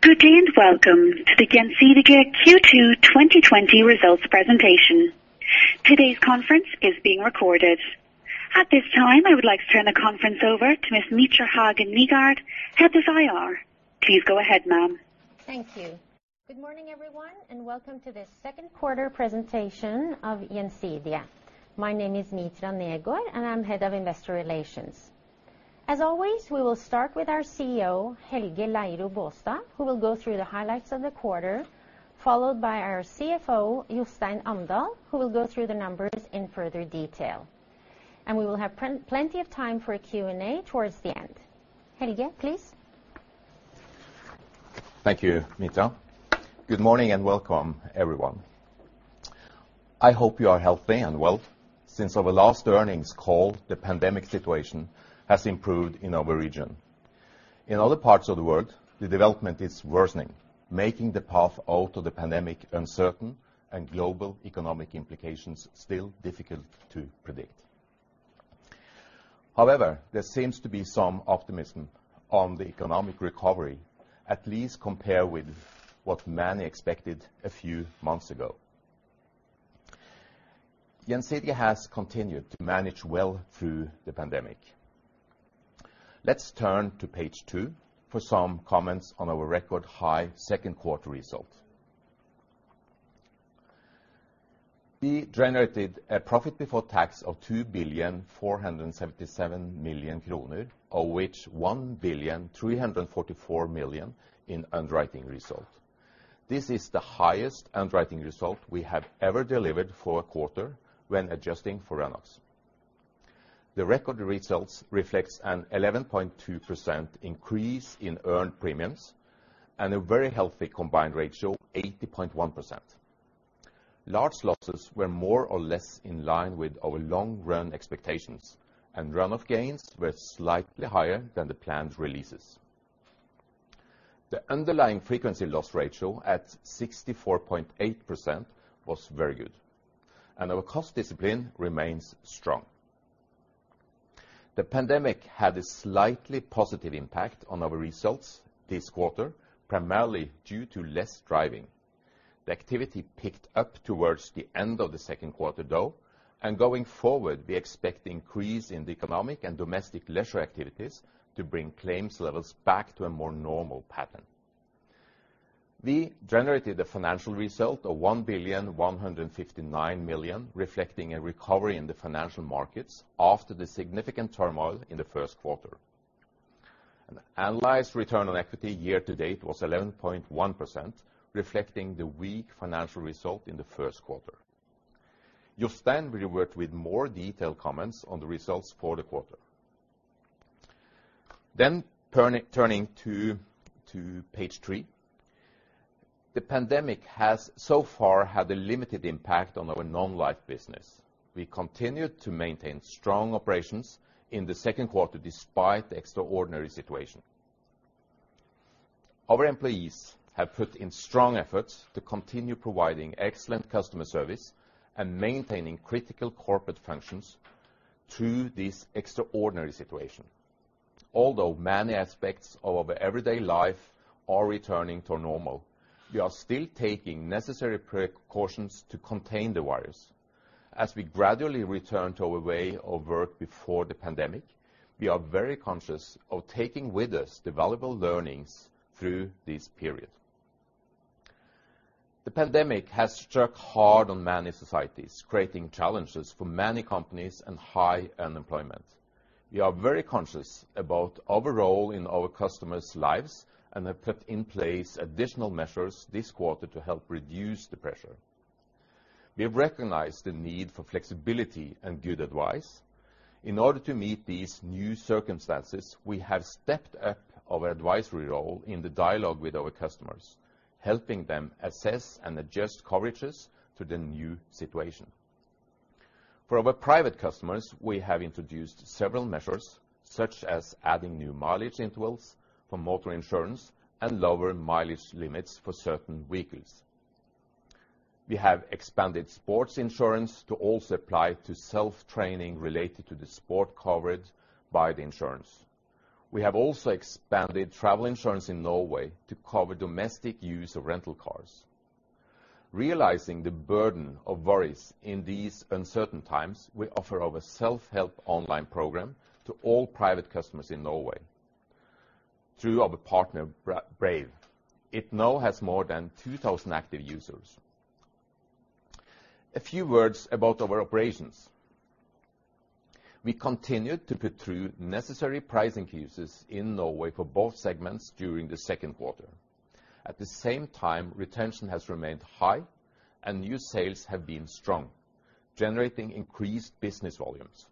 Good day and welcome to the Gjensidige Q2 2020 results presentation. Today's conference is being recorded. At this time, I would like to turn the conference over to Ms. Mitra Hagen Negård, Head of IR. Please go ahead, ma'am. Thank you. Good morning, everyone, and welcome to this second quarter presentation of Gjensidige. My name is Mitra Negård, and I'm Head of Investor Relations. As always, we will start with our CEO, Helge Leiro Baastad, who will go through the highlights of the quarter, followed by our CFO, Jostein Amdal, who will go through the numbers in further detail, and we will have plenty of time for a Q&A towards the end. Helge, please. Thank you, Mitra. Good morning and welcome, everyone. I hope you are healthy and well. Since our last earnings call, the pandemic situation has improved in our region. In other parts of the world, the development is worsening, making the path out of the pandemic uncertain and global economic implications still difficult to predict. However, there seems to be some optimism on the economic recovery, at least compared with what many expected a few months ago. Gjensidige has continued to manage well through the pandemic. Let's turn to page two for some comments on our record-high second quarter result. We generated a profit before tax of 2.477 billion, of which 1.344 billion in underwriting result. This is the highest underwriting result we have ever delivered for a quarter when adjusting for run-offs. The record results reflect an 11.2% increase in earned premiums and a very healthy combined ratio of 80.1%. Large losses were more or less in line with our long-run expectations, and run-off gains were slightly higher than the planned releases. The underlying frequency loss ratio at 64.8% was very good, and our cost discipline remains strong. The pandemic had a slightly positive impact on our results this quarter, primarily due to less driving. The activity picked up towards the end of the second quarter, though, and going forward, we expect an increase in economic and domestic leisure activities to bring claims levels back to a more normal pattern. We generated a financial result of 1.159 billion, reflecting a recovery in the financial markets after the significant turmoil in the first quarter. An annualized return on equity year-to-date was 11.1%, reflecting the weak financial result in the first quarter. Jostein will work with more detailed comments on the results for the quarter. Then, turning to page three, the pandemic has so far had a limited impact on our non-life business. We continued to maintain strong operations in the second quarter despite the extraordinary situation. Our employees have put in strong efforts to continue providing excellent customer service and maintaining critical corporate functions through this extraordinary situation. Although many aspects of our everyday life are returning to normal, we are still taking necessary precautions to contain the virus. As we gradually return to our way of work before the pandemic, we are very conscious of taking with us the valuable learnings through this period. The pandemic has struck hard on many societies, creating challenges for many companies and high unemployment. We are very conscious about our role in our customers' lives and have put in place additional measures this quarter to help reduce the pressure. We have recognized the need for flexibility and good advice. In order to meet these new circumstances, we have stepped up our advisory role in the dialogue with our customers, helping them assess and adjust coverages to the new situation. For our private customers, we have introduced several measures, such as adding new mileage intervals for motor insurance and lower mileage limits for certain vehicles. We have expanded sports insurance to also apply to self-training related to the sport covered by the insurance. We have also expanded travel insurance in Norway to cover domestic use of rental cars. Realizing the burden of worries in these uncertain times, we offer our self-help online program to all private customers in Norway through our partner, Braive. It now has more than 2,000 active users. A few words about our operations. We continued to put through necessary pricing increases in Norway for both segments during the second quarter. At the same time, retention has remained high, and new sales have been strong, generating increased business volumes.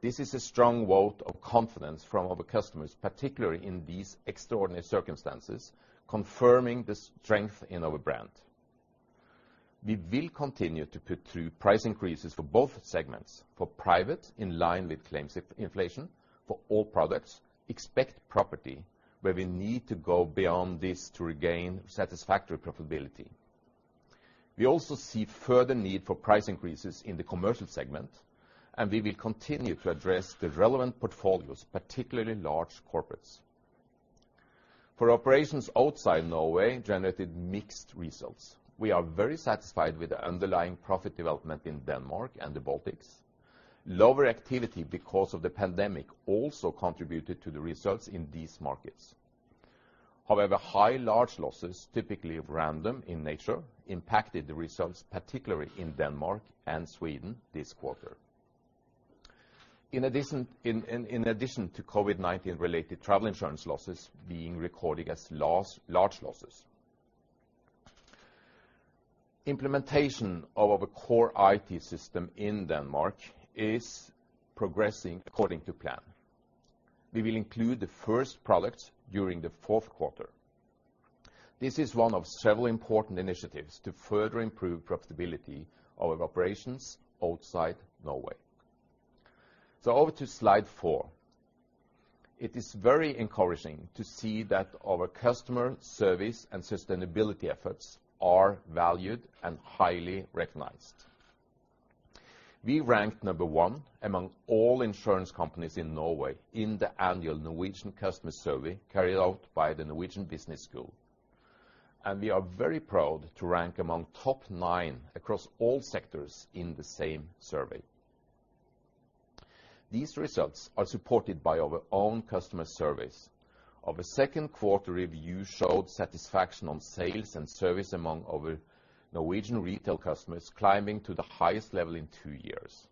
This is a strong vote of confidence from our customers, particularly in these extraordinary circumstances, confirming the strength in our brand. We will continue to put through price increases for both segments: for private, in line with claims inflation, for all products, except property, where we need to go beyond this to regain satisfactory profitability. We also see further need for price increases in the commercial segment, and we will continue to address the relevant portfolios, particularly large corporates. For operations outside Norway, we generated mixed results. We are very satisfied with the underlying profit development in Denmark and the Baltics. Lower activity because of the pandemic also contributed to the results in these markets. However, high large losses, typically random in nature, impacted the results, particularly in Denmark and Sweden this quarter, in addition to COVID-19-related travel insurance losses being recorded as large losses. Implementation of our core IT system in Denmark is progressing according to plan. We will include the first products during the fourth quarter. This is one of several important initiatives to further improve profitability of our operations outside Norway. So, over to slide four. It is very encouraging to see that our customer service and sustainability efforts are valued and highly recognized. We ranked number one among all insurance companies in Norway in the annual Norwegian Customer Survey carried out by the BI Norwegian Business School, and we are very proud to rank among top nine across all sectors in the same survey. These results are supported by our own customer surveys. Our second quarter review showed satisfaction on sales and service among our Norwegian retail customers, climbing to the highest level in two years,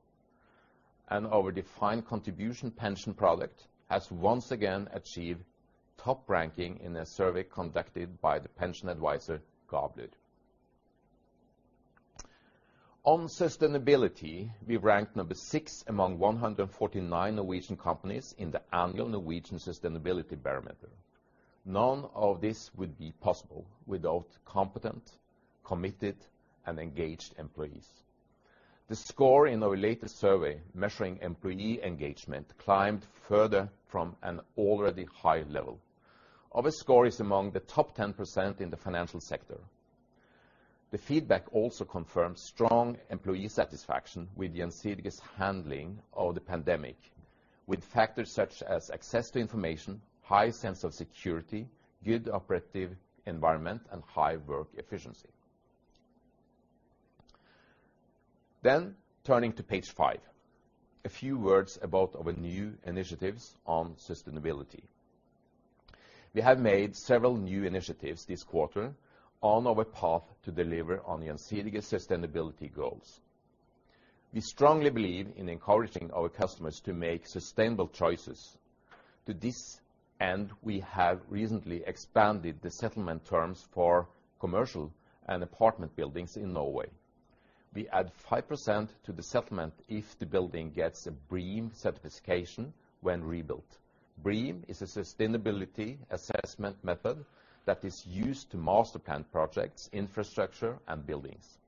and our defined contribution pension product has once again achieved top ranking in a survey conducted by the pension advisor Gabler. On sustainability, we ranked number six among 149 Norwegian companies in the annual Norwegian Sustainability Barometer. None of this would be possible without competent, committed, and engaged employees. The score in our latest survey measuring employee engagement climbed further from an already high level. Our score is among the top 10% in the financial sector. The feedback also confirmed strong employee satisfaction with Gjensidige's handling of the pandemic, with factors such as access to information, high sense of security, good operative environment, and high work efficiency, then turning to page five, a few words about our new initiatives on sustainability. We have made several new initiatives this quarter on our path to deliver on Gjensidige's sustainability goals. We strongly believe in encouraging our customers to make sustainable choices. To this end, we have recently expanded the settlement terms for commercial and apartment buildings in Norway. We add 5% to the settlement if the building gets a BREEAM certification when rebuilt. BREEAM is a sustainability assessment method that is used to master plan projects, infrastructure, and buildings.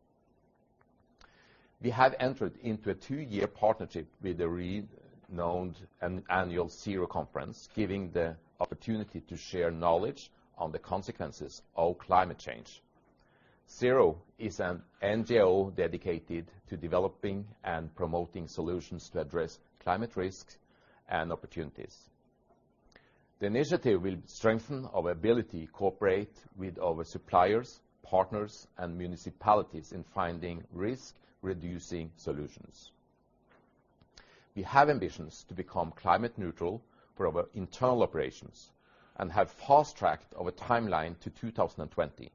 We have entered into a two-year partnership with the renowned annual CICERO conference, giving the opportunity to share knowledge on the consequences of climate change. CICERO is an NGO dedicated to developing and promoting solutions to address climate risks and opportunities. The initiative will strengthen our ability to cooperate with our suppliers, partners, and municipalities in finding risk-reducing solutions. We have ambitions to become climate neutral for our internal operations and have fast-tracked our timeline to 2020.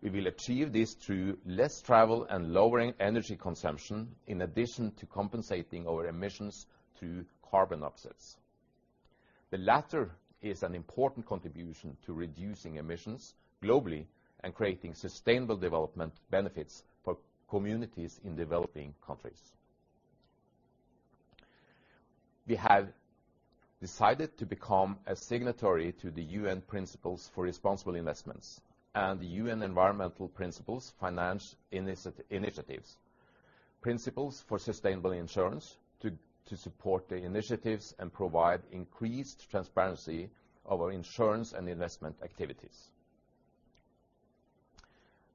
We will achieve this through less travel and lowering energy consumption, in addition to compensating our emissions through carbon offsets. The latter is an important contribution to reducing emissions globally and creating sustainable development benefits for communities in developing countries. We have decided to become a signatory to the UN Principles for Responsible Investment and the UN Environment Programme Finance Initiative, Principles for Sustainable Insurance, to support the initiatives and provide increased transparency of our insurance and investment activities.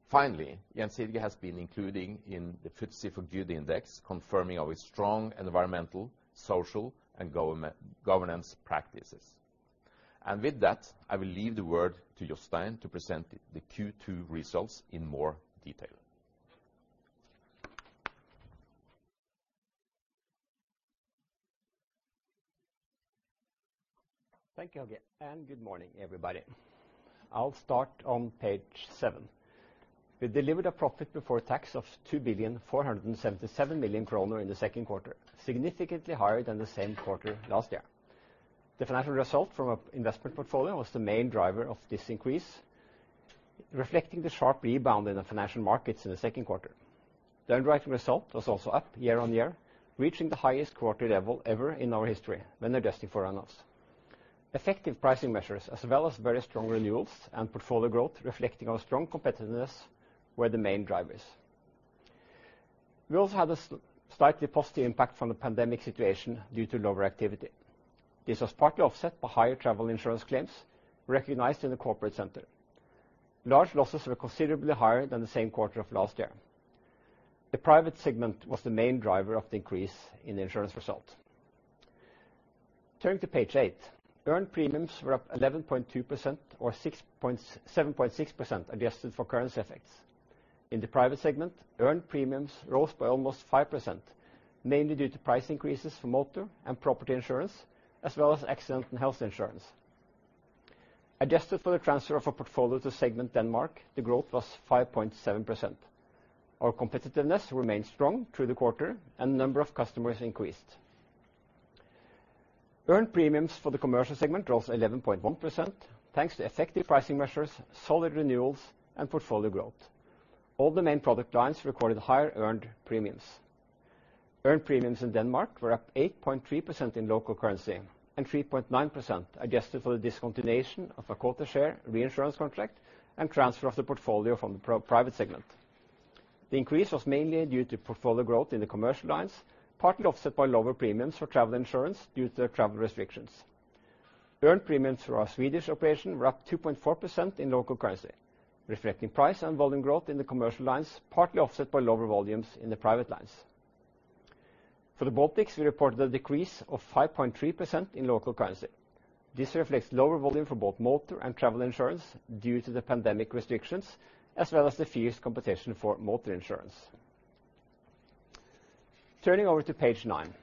Finally, Gjensidige has been included in the FTSE4Good Index Series, confirming our strong environmental, social, and governance practices. With that, I will leave the word to Jostein to present the Q2 results in more detail. Thank you, Helge. And good morning, everybody. I'll start on page seven. We delivered a profit before tax of 2.477 billion in the second quarter, significantly higher than the same quarter last year. The financial result from our investment portfolio was the main driver of this increase, reflecting the sharp rebound in the financial markets in the second quarter. The underwriting result was also up year on year, reaching the highest quarter level ever in our history when adjusting for runoffs. Effective pricing measures, as well as very strong renewals and portfolio growth, reflecting our strong competitiveness, were the main drivers. We also had a slightly positive impact from the pandemic situation due to lower activity. This was partly offset by higher travel insurance claims recognized in the corporate sector. Large losses were considerably higher than the same quarter of last year. The private segment was the main driver of the increase in the insurance result. Turning to page eight, earned premiums were up 11.2% or 7.6% adjusted for currency effects. In the private segment, earned premiums rose by almost 5%, mainly due to price increases for motor and property insurance, as well as accident and health insurance. Adjusted for the transfer of our portfolio to segment Denmark, the growth was 5.7%. Our competitiveness remained strong through the quarter, and the number of customers increased. Earned premiums for the commercial segment rose 11.1%, thanks to effective pricing measures, solid renewals, and portfolio growth. All the main product lines recorded higher earned premiums. Earned premiums in Denmark were up 8.3% in local currency and 3.9% adjusted for the discontinuation of a quota share reinsurance contract and transfer of the portfolio from the private segment. The increase was mainly due to portfolio growth in the commercial lines, partly offset by lower premiums for travel insurance due to travel restrictions. Earned premiums for our Swedish operation were up 2.4% in local currency, reflecting price and volume growth in the commercial lines, partly offset by lower volumes in the private lines. For the Baltics, we reported a decrease of 5.3% in local currency. This reflects lower volume for both motor and travel insurance due to the pandemic restrictions, as well as the fierce competition for motor insurance. Turning over to page nine,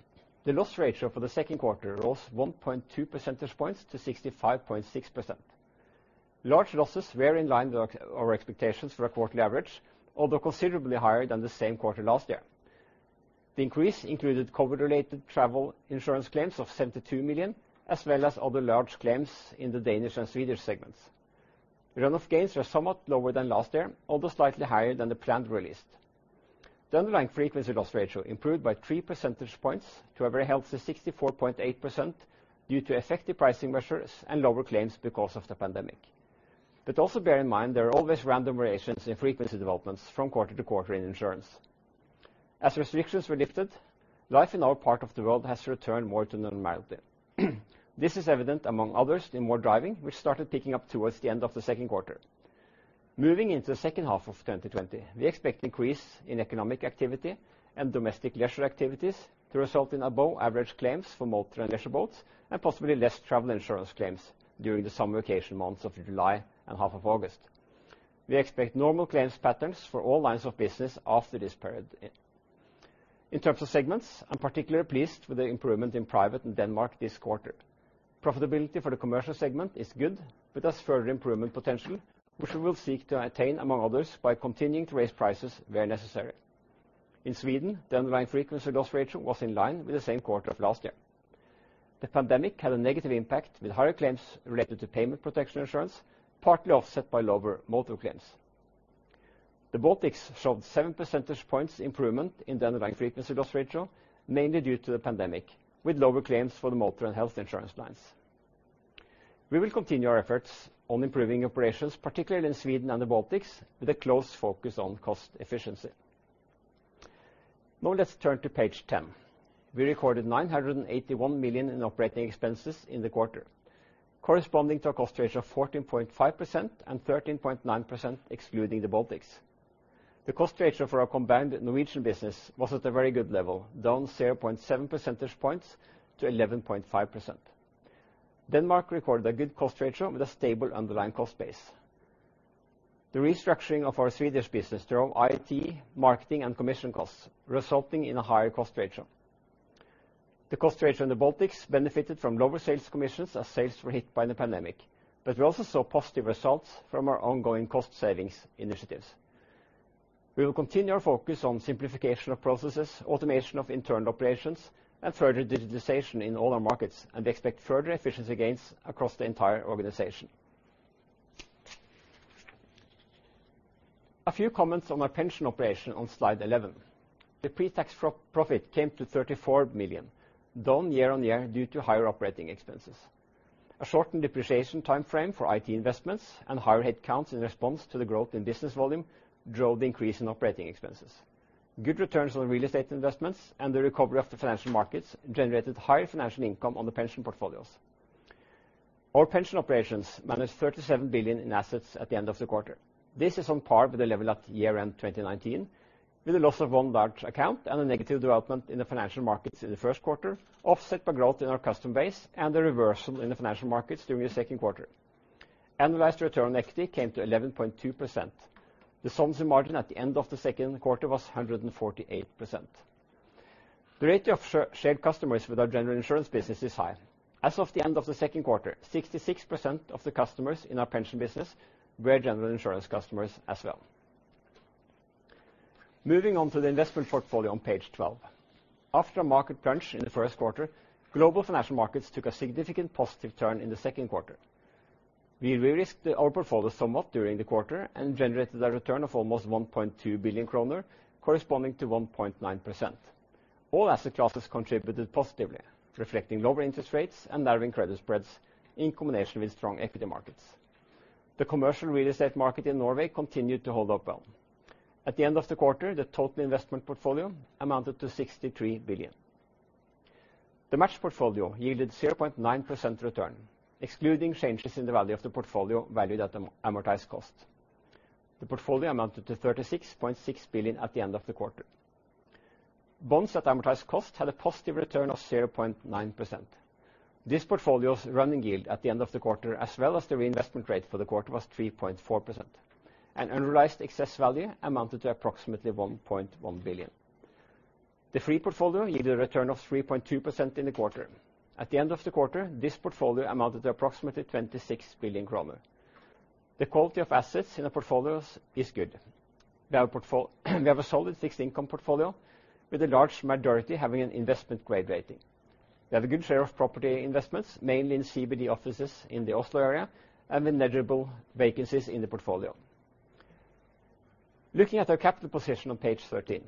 the loss ratio for the second quarter rose 1.2 percentage points to 65.6%. Large losses were in line with our expectations for a quarterly average, although considerably higher than the same quarter last year. The increase included COVID-related travel insurance claims of 72 million, as well as other large claims in the Danish and Swedish segments. Run-off gains were somewhat lower than last year, although slightly higher than the planned reserves. The underlying frequency loss ratio improved by 3 percentage points to a very healthy 64.8% due to effective pricing measures and lower claims because of the pandemic. But also bear in mind there are always random variations in frequency developments from quarter to quarter in insurance. As restrictions were lifted, life in our part of the world has returned more to normality. This is evident, among others, in more driving, which started picking up towards the end of the second quarter. Moving into the second half of 2020, we expect an increase in economic activity and domestic leisure activities to result in above-average claims for motor and leisure boats and possibly less travel insurance claims during the summer vacation months of July and half of August. We expect normal claims patterns for all lines of business after this period. In terms of segments, I'm particularly pleased with the improvement in private in Denmark this quarter. Profitability for the commercial segment is good, but there's further improvement potential, which we will seek to attain, among others, by continuing to raise prices where necessary. In Sweden, the underlying frequency loss ratio was in line with the same quarter of last year. The pandemic had a negative impact, with higher claims related to Payment Protection Insurance, partly offset by lower motor claims. The Baltics showed 7 percentage points improvement in the underlying frequency loss ratio, mainly due to the pandemic, with lower claims for the motor and health insurance lines. We will continue our efforts on improving operations, particularly in Sweden and the Baltics, with a close focus on cost efficiency. Now let's turn to page 10. We recorded 981 million in operating expenses in the quarter, corresponding to a cost ratio of 14.5% and 13.9% excluding the Baltics. The cost ratio for our combined Norwegian business was at a very good level, down 0.7 percentage points to 11.5%. Denmark recorded a good cost ratio with a stable underlying cost base. The restructuring of our Swedish business drove IT, marketing, and commission costs, resulting in a higher cost ratio. The cost ratio in the Baltics benefited from lower sales commissions as sales were hit by the pandemic, but we also saw positive results from our ongoing cost savings initiatives. We will continue our focus on simplification of processes, automation of internal operations, and further digitization in all our markets, and expect further efficiency gains across the entire organization. A few comments on our pension operation on slide 11. The pre-tax profit came to 34 million, down year on year due to higher operating expenses. A shortened depreciation timeframe for IT investments and higher headcounts in response to the growth in business volume drove the increase in operating expenses. Good returns on real estate investments and the recovery of the financial markets generated higher financial income on the pension portfolios. Our pension operations managed 37 billion in assets at the end of the quarter. This is on par with the level at year-end 2019, with a loss of one large account and a negative development in the financial markets in the first quarter, offset by growth in our customer base and a reversal in the financial markets during the second quarter. Annualized return on equity came to 11.2%. The solvency margin at the end of the second quarter was 148%. The rate of shared customers with our general insurance business is high. As of the end of the second quarter, 66% of the customers in our pension business were general insurance customers as well. Moving on to the investment portfolio on page 12. After a market crunch in the first quarter, global financial markets took a significant positive turn in the second quarter. We re-risked our portfolio somewhat during the quarter and generated a return of almost 1.2 billion kroner, corresponding to 1.9%. All asset classes contributed positively, reflecting lower interest rates and narrowing credit spreads in combination with strong equity markets. The commercial real estate market in Norway continued to hold up well. At the end of the quarter, the total investment portfolio amounted to 63 billion. The matched portfolio yielded 0.9% return, excluding changes in the value of the portfolio valued at the amortized cost. The portfolio amounted to 36.6 billion at the end of the quarter. Bonds at amortized cost had a positive return of 0.9%. This portfolio's running yield at the end of the quarter, as well as the reinvestment rate for the quarter, was 3.4%. An annualized excess value amounted to approximately 1.1 billion. The free portfolio yielded a return of 3.2% in the quarter. At the end of the quarter, this portfolio amounted to approximately 26 billion kroner. The quality of assets in our portfolios is good. We have a solid fixed income portfolio, with a large majority having an investment-grade rating. We have a good share of property investments, mainly in CBD offices in the Oslo area, and with negligible vacancies in the portfolio. Looking at our capital position on page 13,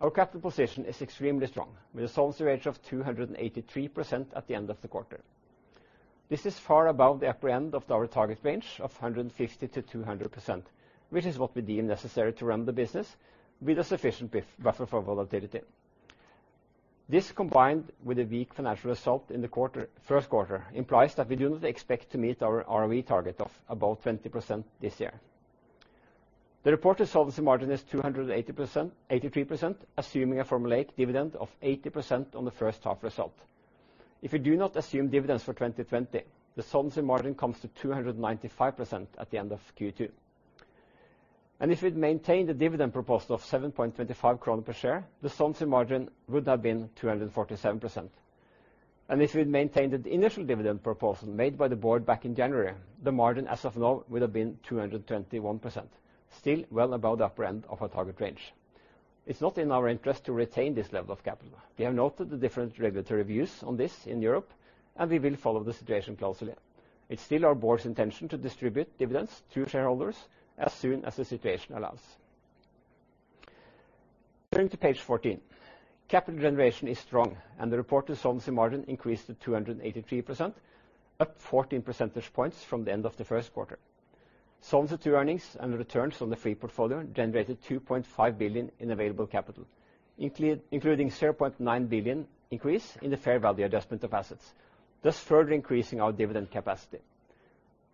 our capital position is extremely strong, with a solvency ratio of 283% at the end of the quarter. This is far above the upper end of our target range of 150%-200%, which is what we deem necessary to run the business, with a sufficient buffer for volatility. This, combined with a weak financial result in the first quarter, implies that we do not expect to meet our ROE target of about 20% this year. The reported solvency margin is 283%, assuming a formulaic dividend of 80% on the first half result. If we do not assume dividends for 2020, the solvency margin comes to 295% at the end of Q2. And if we had maintained the dividend proposal of 7.25 per share, the solvency margin would have been 247%. And if we had maintained the initial dividend proposal made by the board back in January, the margin as of now would have been 221%, still well above the upper end of our target range. It's not in our interest to retain this level of capital. We have noted the different regulatory views on this in Europe, and we will follow the situation closely. It's still our board's intention to distribute dividends to shareholders as soon as the situation allows. Turning to page 14, capital generation is strong, and the reported solvency margin increased to 283%, up 14 percentage points from the end of the first quarter. Solvency to earnings and returns on the free portfolio generated 2.5 billion in available capital, including a 0.9 billion increase in the fair value adjustment of assets, thus further increasing our dividend capacity.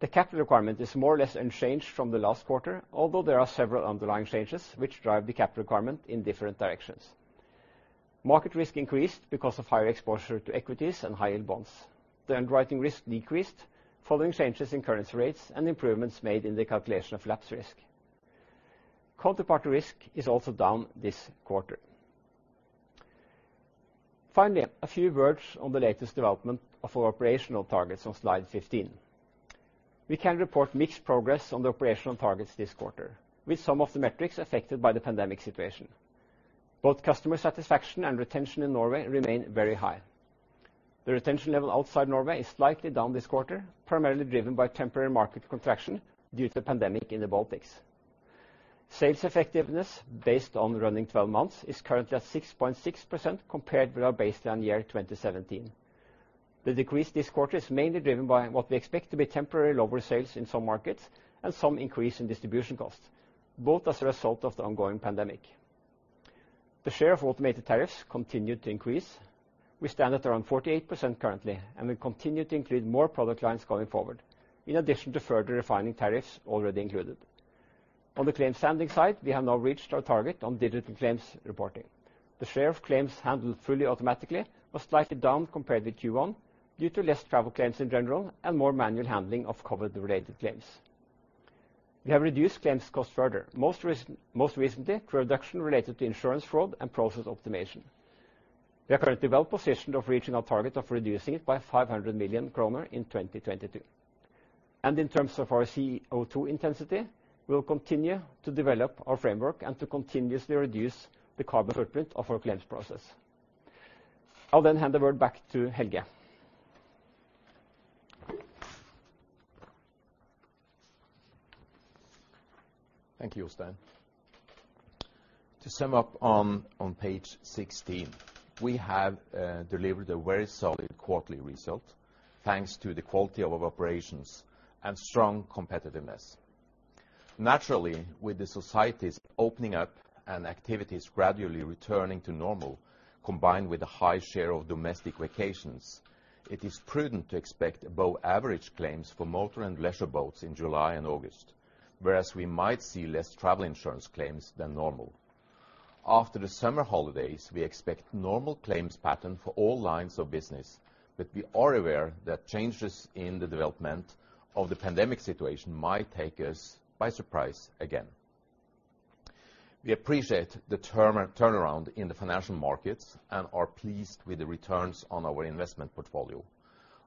The capital requirement is more or less unchanged from the last quarter, although there are several underlying changes which drive the capital requirement in different directions. Market risk increased because of higher exposure to equities and high-yield bonds. The underwriting risk decreased following changes in currency rates and improvements made in the calculation of lapse risk. Counterparty risk is also down this quarter. Finally, a few words on the latest development of our operational targets on slide 15. We can report mixed progress on the operational targets this quarter, with some of the metrics affected by the pandemic situation. Both customer satisfaction and retention in Norway remain very high. The retention level outside Norway is slightly down this quarter, primarily driven by temporary market contraction due to the pandemic in the Baltics. Sales effectiveness based on running 12 months is currently at 6.6% compared with our baseline year 2017. The decrease this quarter is mainly driven by what we expect to be temporary lower sales in some markets and some increase in distribution costs, both as a result of the ongoing pandemic. The share of automated tariffs continued to increase. We stand at around 48% currently, and we continue to include more product lines going forward, in addition to further refining tariffs already included. On the claims handling side, we have now reached our target on digital claims reporting. The share of claims handled fully automatically was slightly down compared with Q1 due to less travel claims in general and more manual handling of COVID-related claims. We have reduced claims costs further, most recently through a reduction related to insurance fraud and process optimization. We are currently well positioned for reaching our target of reducing it by 500 million kroner in 2022. And in terms of our CO2 intensity, we will continue to develop our framework and to continuously reduce the carbon footprint of our claims process. I'll then hand the word back to Helge. Thank you, Jostein. To sum up on page 16, we have delivered a very solid quarterly result, thanks to the quality of our operations and strong competitiveness. Naturally, with the society's opening up and activities gradually returning to normal, combined with a high share of domestic vacations, it is prudent to expect above-average claims for motor and leisure boats in July and August, whereas we might see less travel insurance claims than normal. After the summer holidays, we expect a normal claims pattern for all lines of business, but we are aware that changes in the development of the pandemic situation might take us by surprise again. We appreciate the turnaround in the financial markets and are pleased with the returns on our investment portfolio.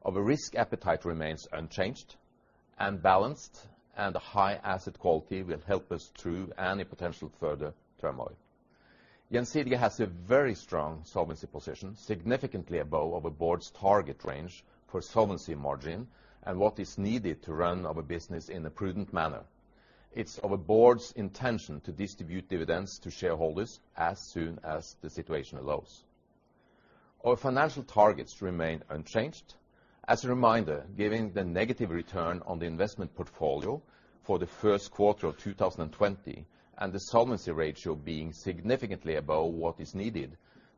Our risk appetite remains unchanged, and balanced and high asset quality will help us through any potential further turmoil. Gjensidige has a very strong solvency position, significantly above our board's target range for solvency margin and what is needed to run our business in a prudent manner. It's our board's intention to distribute dividends to shareholders as soon as the situation allows. Our financial targets remain unchanged. As a reminder, given the negative return on the investment portfolio for the first quarter of 2020 and the solvency ratio being significantly above what is needed,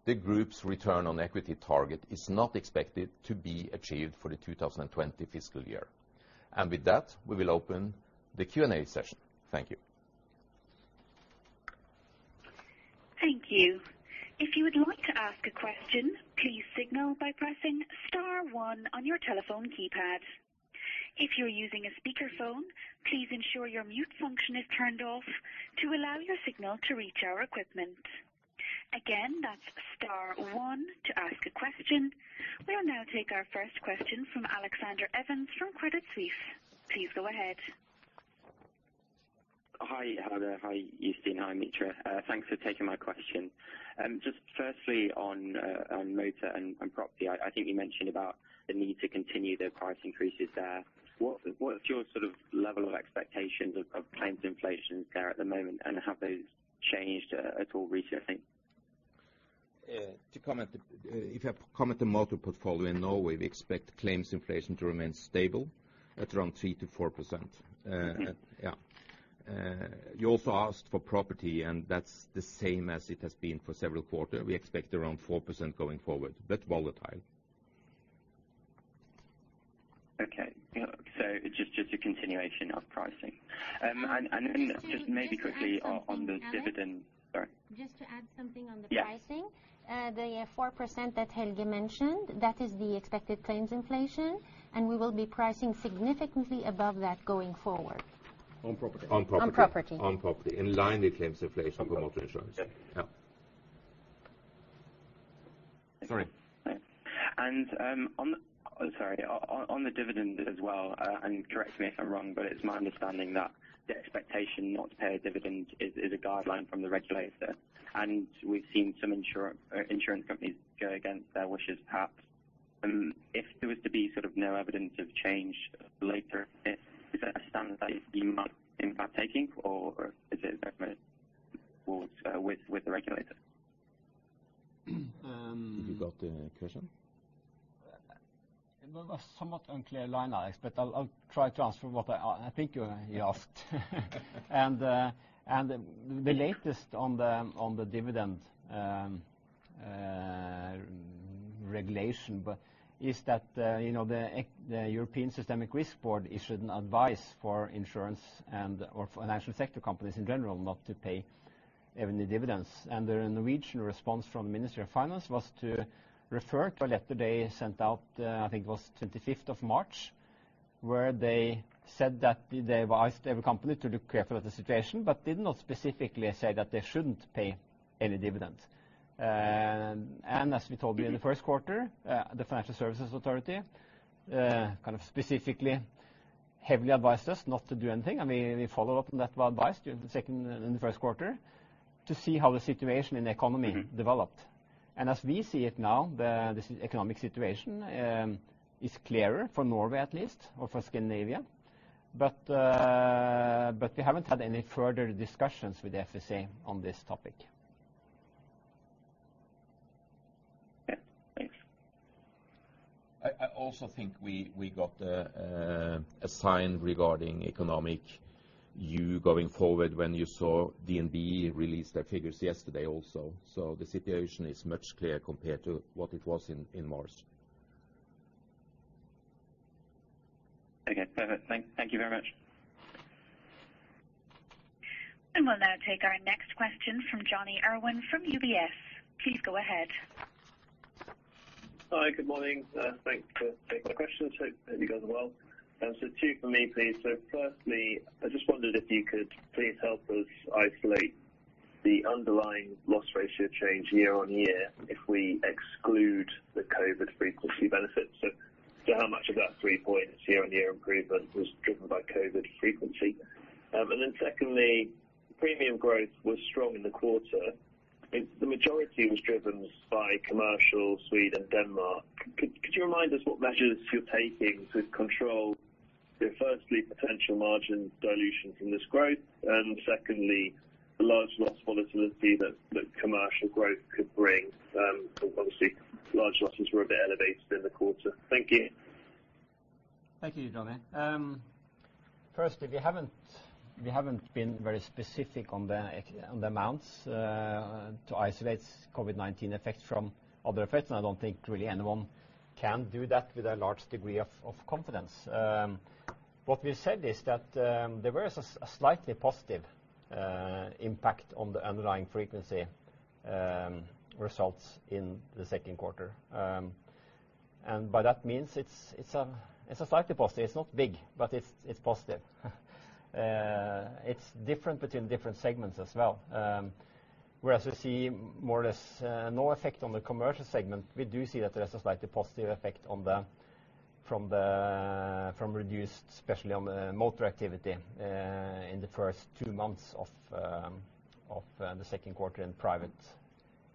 the group's return on equity target is not expected to be achieved for the 2020 fiscal year, and with that, we will open the Q&A session. Thank you. Thank you. If you would like to ask a question, please signal by pressing star one on your telephone keypad. If you're using a speakerphone, please ensure your mute function is turned off to allow your signal to reach our equipment. Again, that's star one to ask a question. We will now take our first question from Alexander Evans from Credit Suisse. Please go ahead. Hi, Helge there. Hi, Jostein. Hi, Mitra. Thanks for taking my question. Just firstly, on motor and property, I think you mentioned about the need to continue the price increases there. What's your sort of level of expectations of claims inflations there at the moment, and have those changed at all recently? To comment, if I comment on motor portfolio in Norway, we expect claims inflation to remain stable at around 3%-4%. Yeah. You also asked for property, and that's the same as it has been for several quarters. We expect around 4% going forward, but volatile. Okay. So just a continuation of pricing. And then just maybe quickly on the dividend. Sorry. Just to add something on the pricing. The 4% that Helge mentioned, that is the expected claims inflation, and we will be pricing significantly above that going forward. On property. In line with claims inflation for motor insurance. Yeah. Sorry. On the dividend as well, and correct me if I'm wrong, but it's my understanding that the expectation not to pay a dividend is a guideline from the regulator, and we've seen some insurance companies go against their wishes, perhaps. If there was to be sort of no evidence of change later, is that a standard that you might, in fact, take, or is it a government rule with the regulator? You got the question? It was somewhat unclear line, I expect. I'll try to answer what I think you asked. The latest on the dividend regulation is that the European Systemic Risk Board issued an advice for insurance and/or financial sector companies in general not to pay even the dividends. The Norwegian response from the Ministry of Finance was to refer to a letter they sent out. I think it was 25th of March, where they said that they advised every company to look carefully at the situation, but did not specifically say that they shouldn't pay any dividends. As we told you in the first quarter, the Financial Services Authority kind of specifically heavily advised us not to do anything, and we followed up on that advice during the second and the first quarter to see how the situation in the economy developed. As we see it now, this economic situation is clearer for Norway, at least, or for Scandinavia, but we haven't had any further discussions with the FSA on this topic. I also think we got a sign regarding economic yield going forward when you saw DNB release their figures yesterday also. So the situation is much clearer compared to what it was in March. Okay. Perfect. Thank you very much. We will now take our next question from Jonny Urwin from UBS. Please go ahead. Hi. Good morning. Thanks for taking the question. I hope you're doing well. So two for me, please. So firstly, I just wondered if you could please help us isolate the underlying loss ratio change year on year if we exclude the COVID frequency benefits. So how much of that three-point year-on-year improvement was driven by COVID frequency? And then secondly, premium growth was strong in the quarter. The majority was driven by commercial Sweden and Denmark. Could you remind us what measures you're taking to control the firstly, potential margin dilution from this growth, and secondly, the large loss volatility that commercial growth could bring? Obviously, large losses were a bit elevated in the quarter. Thank you. Thank you, Jonny. First, if you haven't been very specific on the amounts to isolate COVID-19 effects from other effects, and I don't think really anyone can do that with a large degree of confidence. What we've said is that there was a slightly positive impact on the underlying frequency results in the second quarter, and by that means, it's a slightly positive. It's not big, but it's positive. It's different between different segments as well. Whereas we see more or less no effect on the commercial segment, we do see that there is a slightly positive effect from reduced, especially on motor activity in the first two months of the second quarter in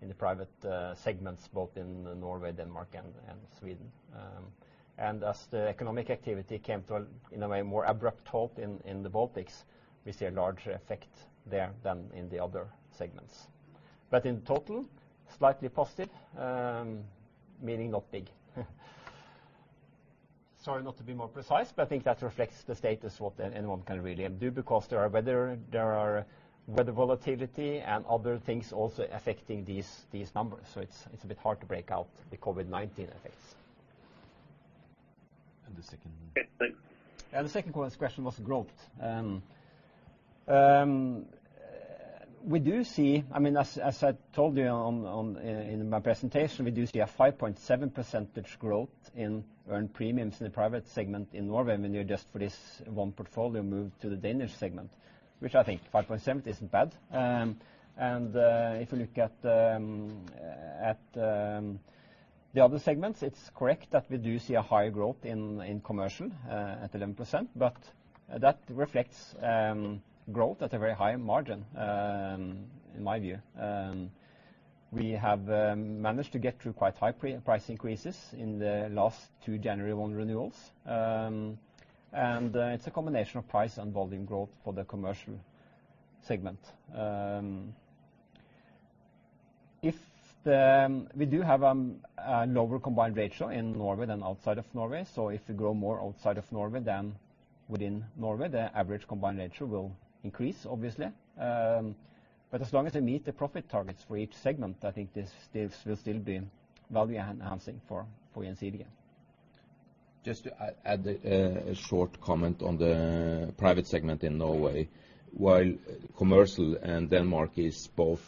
the private segments, both in Norway, Denmark, and Sweden. And as the economic activity came to, in a way, more abrupt halt in the Baltics, we see a larger effect there than in the other segments. But in total, slightly positive, meaning not big. Sorry not to be more precise, but I think that reflects the status of what anyone can really do because there are weather volatility and other things also affecting these numbers. So it's a bit hard to break out the COVID-19 effects. And the second. The second question was growth. We do see, I mean, as I told you in my presentation, we do see a 5.7% growth in earned premiums in the private segment in Norway when you adjust for this one portfolio moved to the Danish segment, which I think 5.7% isn't bad. And if you look at the other segments, it's correct that we do see a higher growth in commercial at 11%, but that reflects growth at a very high margin, in my view. We have managed to get through quite high price increases in the last two January one renewals, and it's a combination of price and volume growth for the commercial segment. We do have a lower combined ratio in Norway than outside of Norway. So if we grow more outside of Norway than within Norway, the average combined ratio will increase, obviously. But as long as we meet the profit targets for each segment, I think this will still be value-enhancing for Gjensidige. Just to add a short comment on the private segment in Norway. While commercial and Denmark is both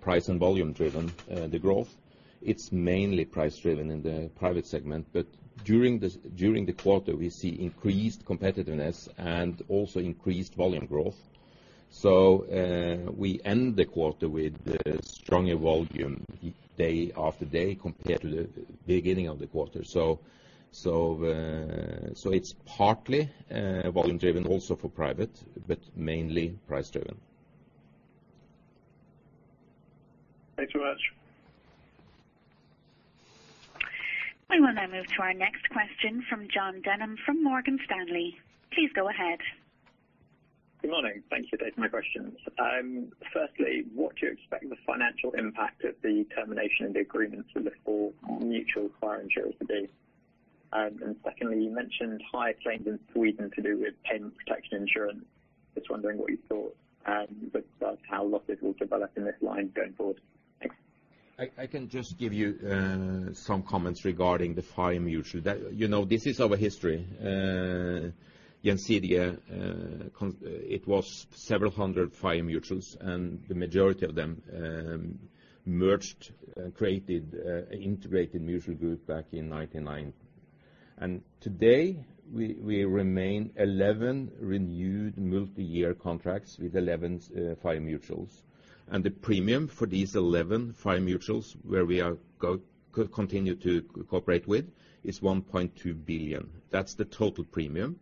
price and volume-driven, the growth, it's mainly price-driven in the private segment. But during the quarter, we see increased competitiveness and also increased volume growth. So we end the quarter with stronger volume day after day compared to the beginning of the quarter. So it's partly volume-driven also for private, but mainly price-driven. Thanks so much. We will now move to our next question from Jon Hocking from Morgan Stanley. Please go ahead. Good morning. Thank you for taking my questions. Firstly, what do you expect the financial impact of the termination of the agreement to look for mutual fire insurers to be? And secondly, you mentioned higher claims in Sweden to do with Payment Protection Insurance. Just wondering what you thought about how losses will develop in this line going forward. Thanks. I can just give you some comments regarding the fire mutual. This is our history. Gjensidige, it was several hundred fire mutuals, and the majority of them merged, created an integrated mutual group back in 1990. Today, we have 11 renewed multi-year contracts with 11 fire mutuals. The premium for these 11 fire mutuals, where we continue to cooperate with, is 1.2 billion. That's the total premium,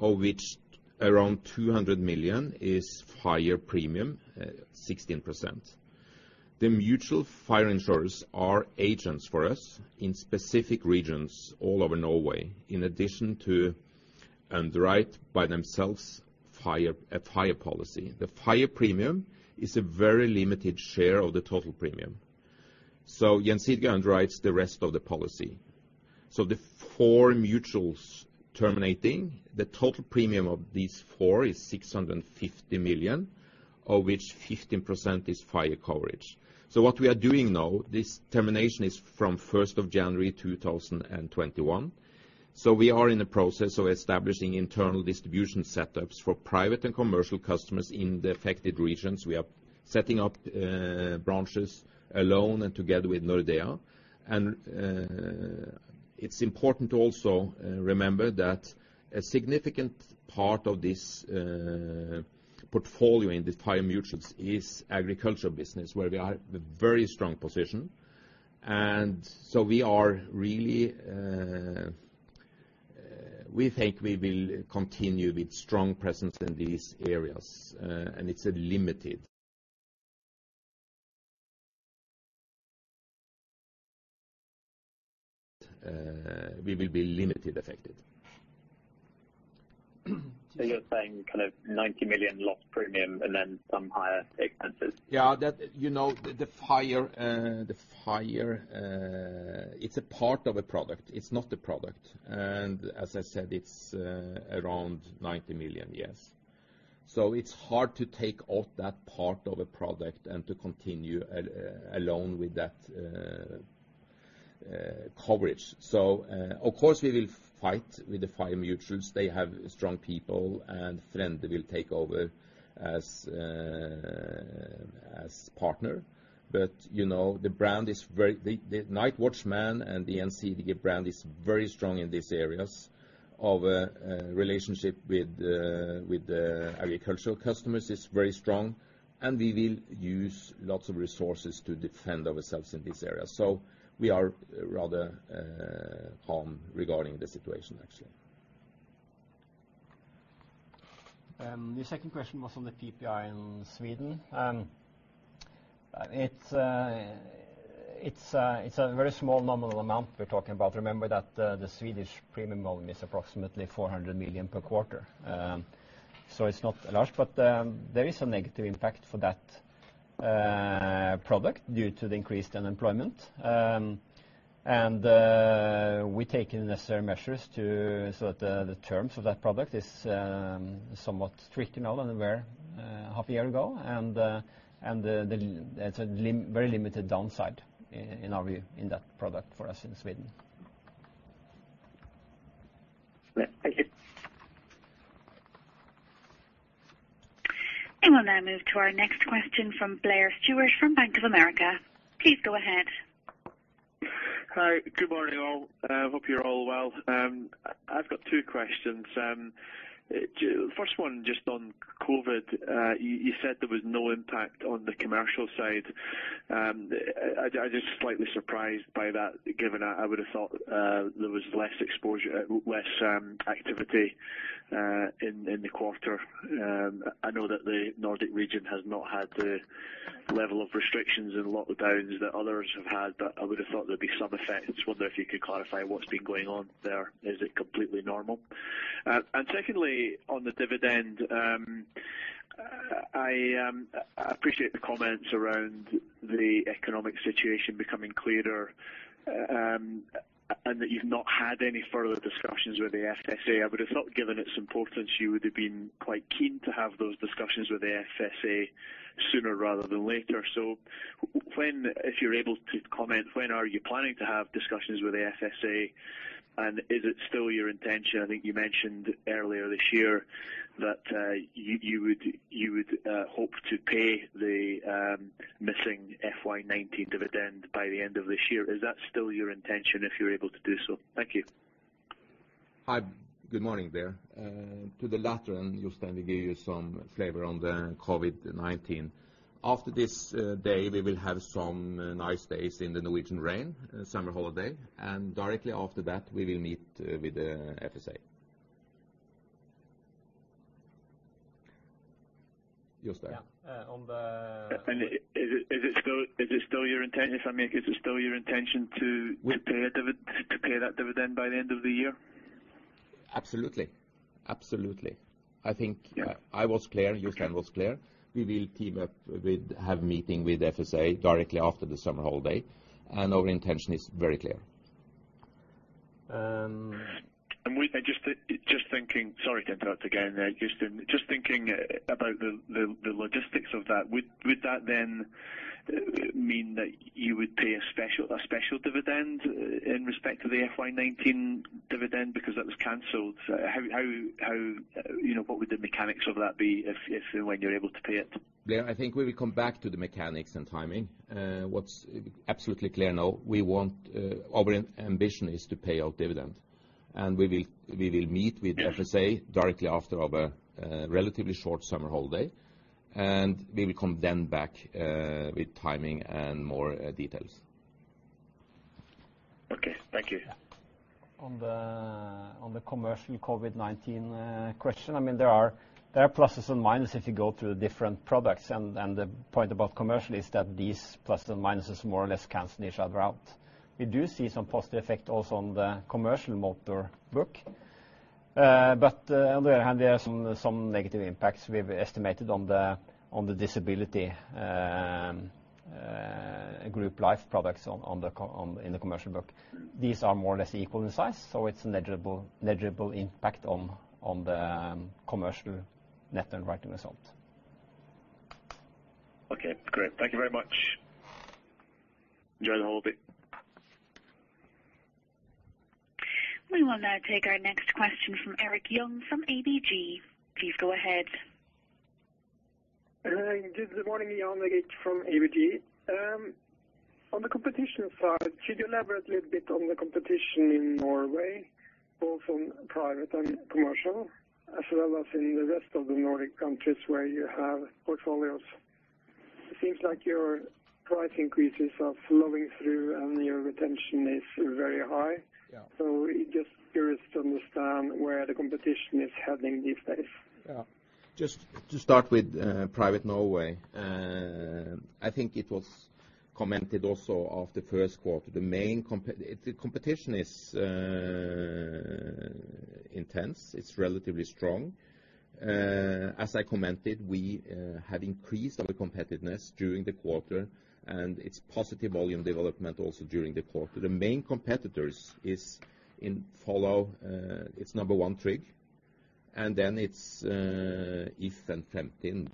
of which around 200 million is fire premium, 16%. The mutual fire insurers are agents for us in specific regions all over Norway, in addition to underwriting by themselves the fire policy. The fire premium is a very limited share of the total premium. Gjensidige underwrites the rest of the policy. The four mutuals terminating, the total premium of these four is 650 million, of which 15% is fire coverage. What we are doing now, this termination is from 1st of January 2021. We are in the process of establishing internal distribution setups for private and commercial customers in the affected regions. We are setting up branches alone and together with Nordea. It's important to also remember that a significant part of this portfolio in the fire mutuals is agricultural business, where we have a very strong position. We think we will continue with strong presence in these areas. It's a limited we will be limited affected. You're saying kind of 90 million lost premium and then some higher expenses? Yeah. The fire, it's a part of a product. It's not a product. As I said, it's around 90 million, yes. It's hard to take off that part of a product and to continue alone with that coverage. Of course, we will fight with the fire mutuals. They have strong people, and Frende will take over as partner. But the brand is very tied to the Norges Bondelag and the Gjensidige brand is very strong in these areas. Our relationship with the agricultural customers is very strong, and we will use lots of resources to defend ourselves in these areas. So we are rather calm regarding the situation, actually. And the second question was on the PPI in Sweden. It's a very small nominal amount we're talking about. Remember that the Swedish premium volume is approximately 400 million per quarter. So it's not large, but there is a negative impact for that product due to the increased unemployment. And we're taking necessary measures so that the terms of that product are somewhat trickier now than they were half a year ago. And it's a very limited downside, in our view, in that product for us in Sweden. We will now move to our next question from Blair Stewart from Bank of America. Please go ahead. Hi. Good morning, all. I hope you're all well. I've got two questions. First one, just on COVID. You said there was no impact on the commercial side. I was just slightly surprised by that, given I would have thought there was less activity in the quarter. I know that the Nordic region has not had the level of restrictions and lockdowns that others have had, but I would have thought there would be some effects. I wonder if you could clarify what's been going on there. Is it completely normal? And secondly, on the dividend, I appreciate the comments around the economic situation becoming clearer and that you've not had any further discussions with the FSA. I would have thought, given its importance, you would have been quite keen to have those discussions with the FSA sooner rather than later. So if you're able to comment, when are you planning to have discussions with the FSA? And is it still your intention? I think you mentioned earlier this year that you would hope to pay the missing FY 2019 dividend by the end of this year. Is that still your intention if you're able to do so? Thank you. Hi. Good morning, there. To the latter, Jostein gave you some flavor on the COVID-19. After this day, we will have some nice days in the Norwegian rain, summer holiday, and directly after that, we will meet with the FSA. Just there. Yeah. And is it still your intention? I mean, is it still your intention to pay that dividend by the end of the year? Absolutely. Absolutely. I think I was clear. Gjensidige was clear. We will have a meeting with the FSA directly after the summer holiday. And our intention is very clear. And just thinking, sorry to interrupt again. Just thinking about the logistics of that, would that then mean that you would pay a special dividend in respect to the FY 2019 dividend because that was canceled? What would the mechanics of that be if and when you're able to pay it? Yeah. I think we will come back to the mechanics and timing. What's absolutely clear now, our ambition is to pay our dividend. And we will meet with the FSA directly after our relatively short summer holiday. And we will come then back with timing and more details. Okay. Thank you. On the commercial COVID-19 question, I mean, there are pluses and minuses if you go through the different products, and the point about commercial is that these pluses and minuses more or less cancel each other out. We do see some positive effect also on the commercial motor book, but on the other hand, there are some negative impacts we've estimated on the disability group life products in the commercial book. These are more or less equal in size, so it's a negligible impact on the commercial net underwriting result. Okay. Great. Thank you very much. Enjoy the holiday. We will now take our next question from Jan Erik Gjerland from ABG. Please go ahead. Good morning, Jan. From ABG. On the competition side, could you elaborate a little bit on the competition in Norway, both on private and commercial, as well as in the rest of the Nordic countries where you have portfolios? It seems like your price increases are flowing through and your retention is very high. So I'm just curious to understand where the competition is heading these days. Yeah. Just to start with private Norway, I think it was commented also after first quarter. The competition is intense. It's relatively strong. As I commented, we have increased our competitiveness during the quarter, and it's positive volume development also during the quarter. The main competitors are as follows. It's number one Tryg. And then it's If and Fremtind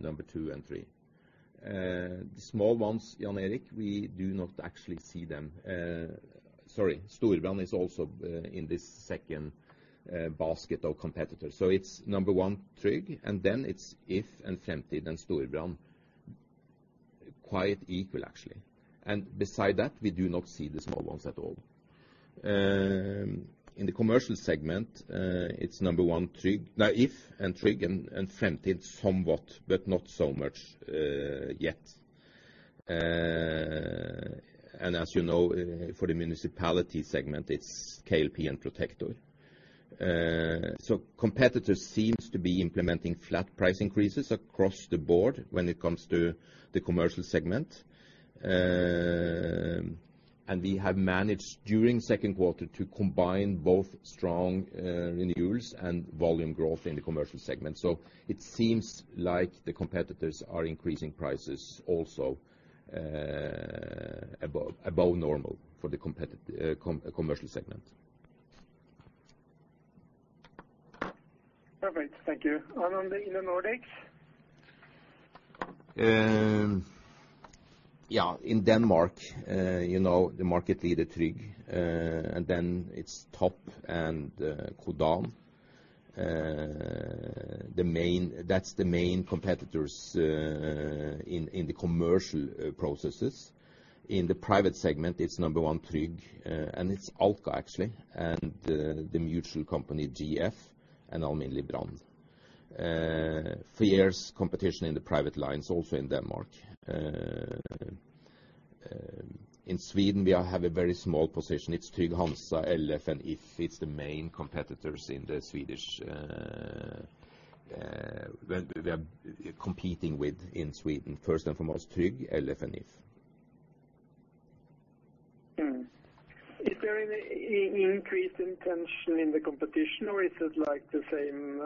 number two and three. The small ones, Jan Erik, we do not actually see them. Sorry. Storebrand is also in this second basket of competitors. So it's number one Tryg, and then it's If and Fremtind and Storebrand. Quite equal, actually. And beside that, we do not see the small ones at all. In the commercial segment, it's number one Tryg. Now, If and Tryg and Fremtind somewhat, but not so much yet. And as you know, for the municipality segment, it's KLP and Protector. So competitors seem to be implementing flat price increases across the board when it comes to the commercial segment. And we have managed during second quarter to combine both strong renewals and volume growth in the commercial segment. So it seems like the competitors are increasing prices also above normal for the commercial segment. Perfect. Thank you. And on the Nordics? Yeah. In Denmark, the market leader Tryg. And then it's Top and Codan. That's the main competitors in the commercial processes. In the private segment, it's number one Tryg. It's Alka, actually, and the mutual company GF and Alm. Brand. For years, competition in the private lines also in Denmark. In Sweden, we have a very small position. It's Trygg-Hansa, LF, and If. It's the main competitors in the Swedish we are competing with in Sweden. First and foremost, Trygg-Hansa, LF, and If. Is there any increased intention in the competition, or is it like the same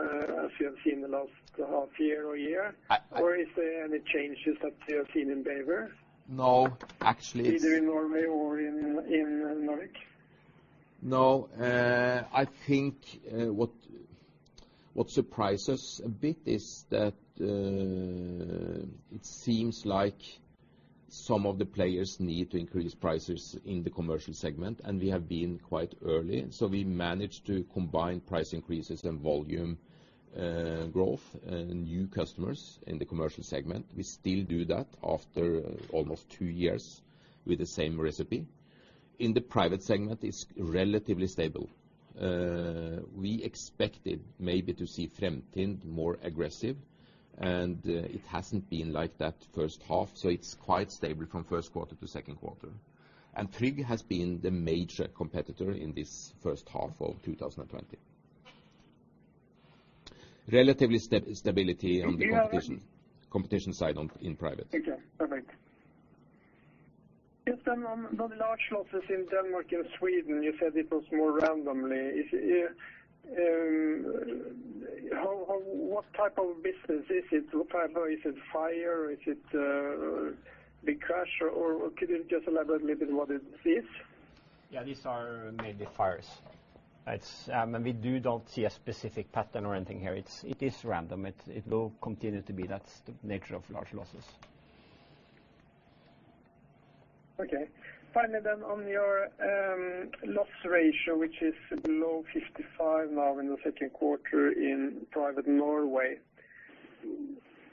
as you have seen the last half year or year? Or is there any changes that you have seen in Baltics? No, actually. Either in Norway or in Nordic? No. I think what surprises a bit is that it seems like some of the players need to increase prices in the commercial segment, and we have been quite early. We managed to combine price increases and volume growth and new customers in the commercial segment. We still do that after almost two years with the same recipe. In the private segment, it's relatively stable. We expected maybe to see Fremtind more aggressive, and it hasn't been like that first half. So it's quite stable from first quarter to second quarter, and Tryg has been the major competitor in this first half of 2020. Relative stability on the competition side in private. Okay. Perfect. Just on the large losses in Denmark and Sweden, you said it was more random. What type of business is it? Is it fire? Is it big crash? Or could you just elaborate a little bit what it is? Yeah. These are mainly fires. We do not see a specific pattern or anything here. It is random. It will continue to be. That's the nature of large losses. Okay. Finally, then on your loss ratio, which is below 55 now in the second quarter in private Norway,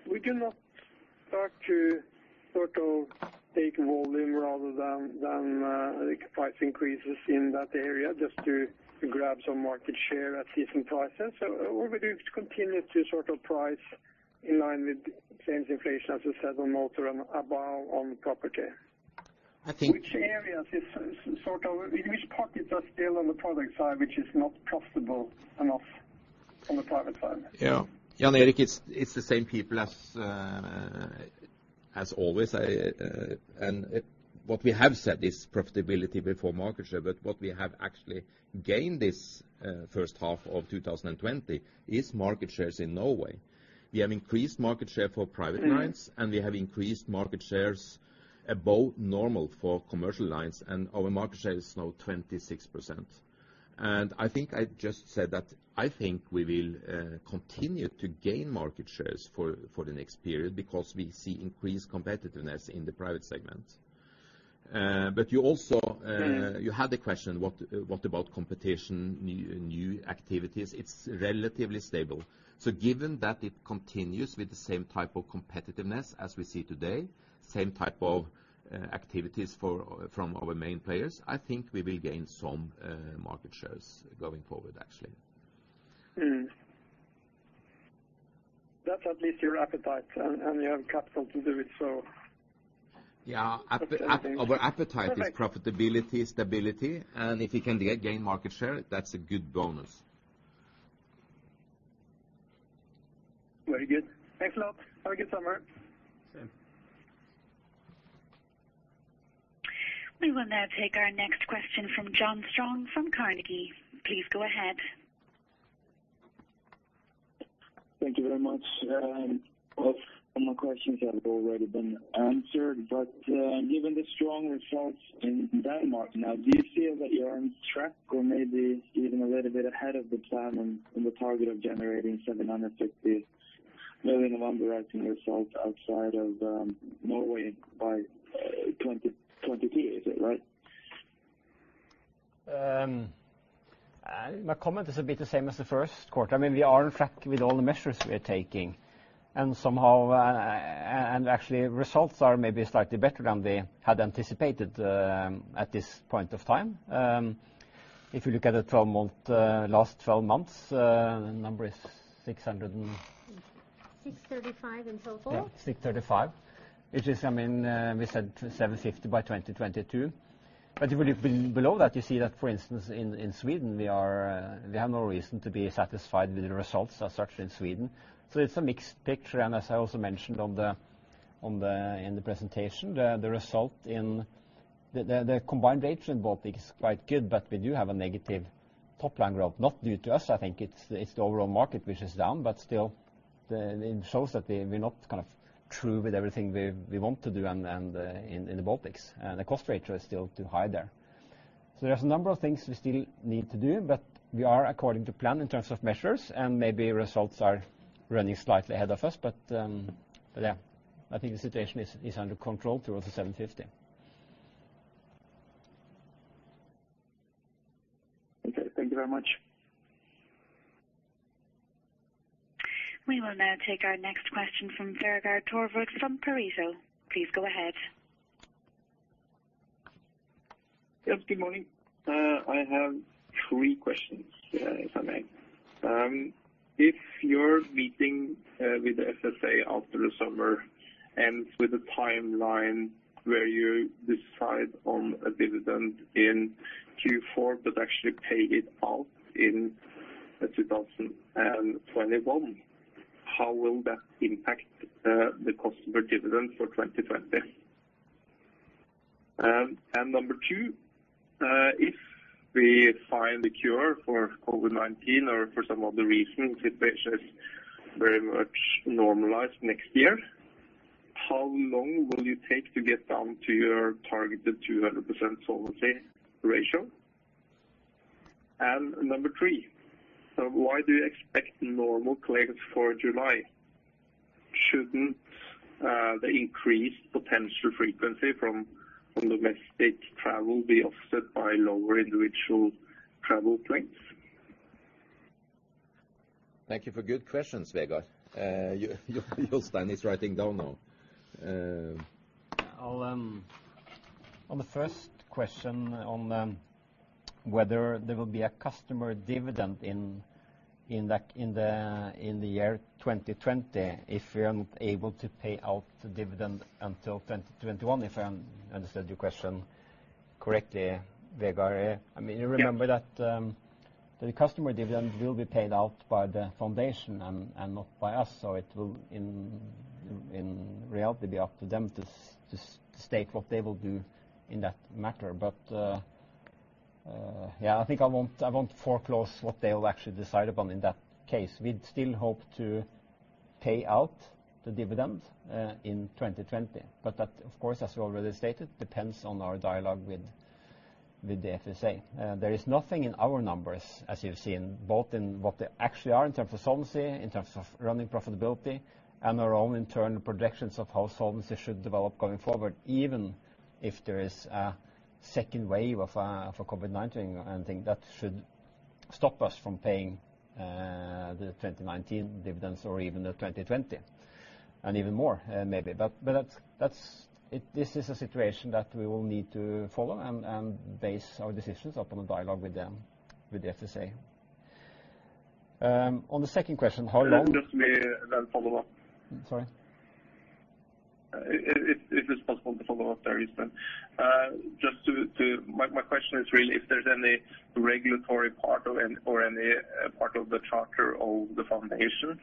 would you not start to sort of take volume rather than price increases in that area just to grab some market share at season prices? Or would you continue to sort of price in line with claims inflation, as you said, on motor and above on property? I think. Which areas is sort of which part is still on the product side, which is not profitable enough on the private side? Yeah. Jan Erik, it's the same people as always, and what we have said is profitability before market share, but what we have actually gained this first half of 2020 is market shares in Norway. We have increased market share for private lines, and we have increased market shares above normal for commercial lines. And our market share is now 26%. And I think I just said that I think we will continue to gain market shares for the next period because we see increased competitiveness in the private segment. But you also had the question, what about competition, new activities? It's relatively stable. So given that it continues with the same type of competitiveness as we see today, same type of activities from our main players, I think we will gain some market shares going forward, actually. That's at least your appetite, and you have capital to do it, so. Yeah. Our appetite is profitability, stability. And if we can gain market share, that's a good bonus. Very good. Thanks a lot. Have a good summer. We will now take our next question from Johan Ström from Carnegie. Please go ahead. Thank you very much. All my questions have already been answered. But given the strong results in Denmark now, do you feel that you're on track or maybe even a little bit ahead of the plan and the target of generating 750 million in underwriting results outside of Norway by 2022? Is that right? My comment is a bit the same as the first quarter. I mean, we are on track with all the measures we are taking. And actually, results are maybe slightly better than they had anticipated at this point of time. If you look at the last 12 months, the number is 600 million. 635 million and so forth. 635 million. It is, I mean, we said 750 million by 2022. But if we look below that, you see that, for instance, in Sweden, we have no reason to be satisfied with the results as such in Sweden. So it's a mixed picture. And as I also mentioned in the presentation, the result in the combined ratio in the Baltics is quite good, but we do have a negative top line growth. Not due to us. I think it's the overall market which is down, but still, it shows that we're not kind of through with everything we want to do in the Baltics. And the cost ratio is still too high there. So there's a number of things we still need to do, but we are according to plan in terms of measures, and maybe results are running slightly ahead of us. But yeah, I think the situation is under control towards the 750 million. Okay. Thank you very much. We will now take our next question from Vegard Toverud from Pareto. Please go ahead. Yes. Good morning. I have three questions, if I may. If your meeting with the FSA after the summer ends with a timeline where you decide on a dividend in Q4, but actually pay it out in 2021, how will that impact the cost of a dividend for 2020? And number two, if we find a cure for COVID-19 or for some other reason, the situation is very much normalized next year, how long will you take to get down to your targeted 200% solvency ratio? And number three, why do you expect normal claims for July? Shouldn't the increased potential frequency from domestic travel be offset by lower individual travel claims? Thank you for good questions, Vegard. Jostein is writing down now. On the first question on whether there will be a customer dividend in the year 2020, if we are not able to pay out the dividend until 2021, if I understood your question correctly, Vegard, I mean, you remember that the customer dividend will be paid out by the Foundation and not by us. So it will, in reality, be up to them to state what they will do in that matter. But yeah, I think I won't foreclose what they will actually decide upon in that case. We'd still hope to pay out the dividend in 2020. But that, of course, as we already stated, depends on our dialogue with the FSA. There is nothing in our numbers, as you've seen, both in what they actually are in terms of solvency, in terms of running profitability, and our own internal projections of how solvency should develop going forward. Even if there is a second wave of COVID-19, I think that shouldn't stop us from paying the 2019 dividends or even the 2020, and even more maybe. But this is a situation that we will need to follow and base our decisions upon a dialogue with the FSA. On the second question, how long. Just my question is really if there's any regulatory part or any part of the charter of the Foundation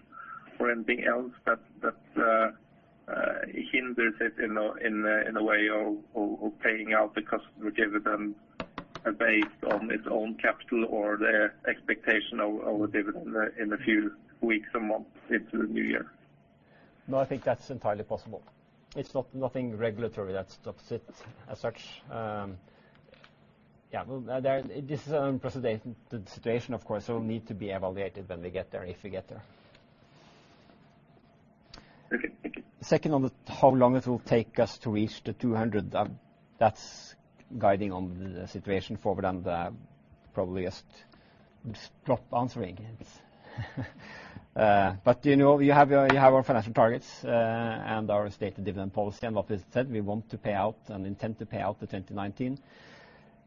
or anything else that hinders it in a way of paying out the customer dividend based on its own capital or the expectation of a dividend in a few weeks or months into the new year. No, I think that's entirely possible. It's nothing regulatory that stops it as such. Yeah. This is an unprecedented situation, of course, so it will need to be evaluated when we get there, if we get there. Second on the how long it will take us to reach the 200, that's guiding on the situation forward, and I probably just stop answering it. But you have our financial targets and our stated dividend policy and what we said. We want to pay out and intend to pay out the 2019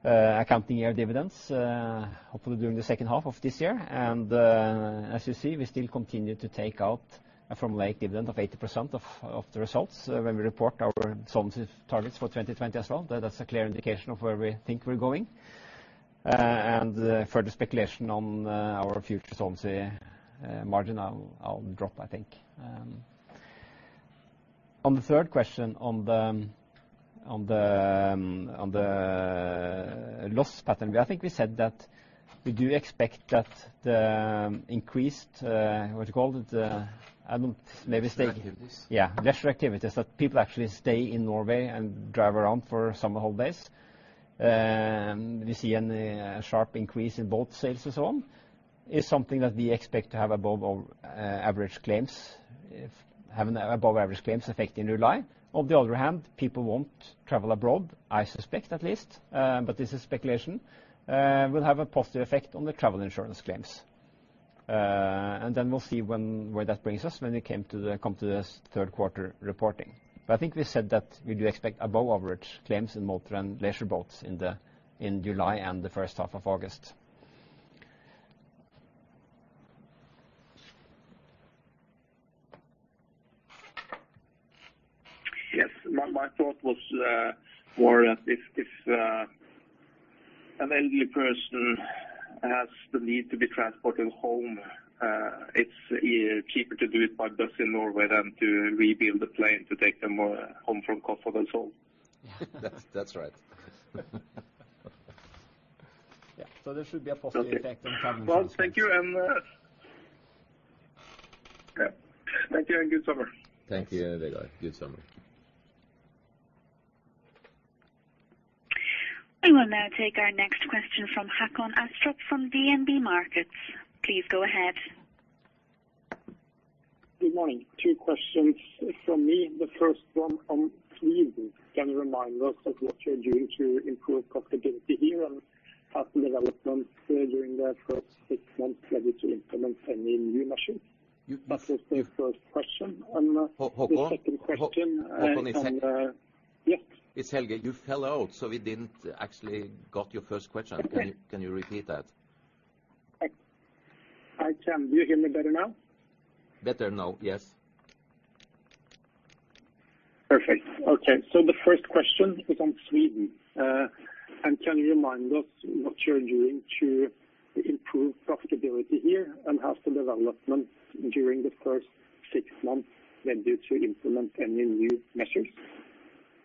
accounting year dividends, hopefully during the second half of this year. And as you see, we still continue to take out a formulaic dividend of 80% of the results when we report our solvency targets for 2020 as well. That's a clear indication of where we think we're going. And further speculation on our future solvency margin will drop, I think. On the third question on the loss pattern, I think we said that we do expect that the increased, what do you call it? I don't know. Maybe stay. Leisure activities. Yeah. Leisure activities. That people actually stay in Norway and drive around for summer holidays. We see a sharp increase in boat sales and so on. It's something that we expect to have above average claims effect in July. On the other hand, people won't travel abroad, I suspect at least, but this is speculation, will have a positive effect on the travel insurance claims. And then we'll see where that brings us when we come to the third quarter reporting. But I think we said that we do expect above average claims in motor and leisure boats in July and the first half of August. Yes. My thought was more that if an elderly person has the need to be transported home, it's cheaper to do it by bus in Norway than to refit the plane to take them home from Kosovo themselves. That's right. Yeah. So there should be a positive effect on travel insurance. Well, thank you. And yeah. Thank you and good summer. Thank you, Vegard. Good summer. We will now take our next question from Håkon Astrup from DNB Markets. Please go ahead. Good morning. Two questions from me. The first one on Sweden. Can you remind us of what you're doing to improve profitability here and how to develop them during the first six months ready to implement any new machines? That was the first question. And the second question. Hold on. Hold on a sec. Yes. It's Helge. You fell out, so we didn't actually got your first question. Can you repeat that? I can. Do you hear me better now? Better now. Yes. Perfect. Okay. So the first question is on Sweden. And can you remind us what you're doing to improve profitability here and how to develop them during the first six months ready to implement any new measures?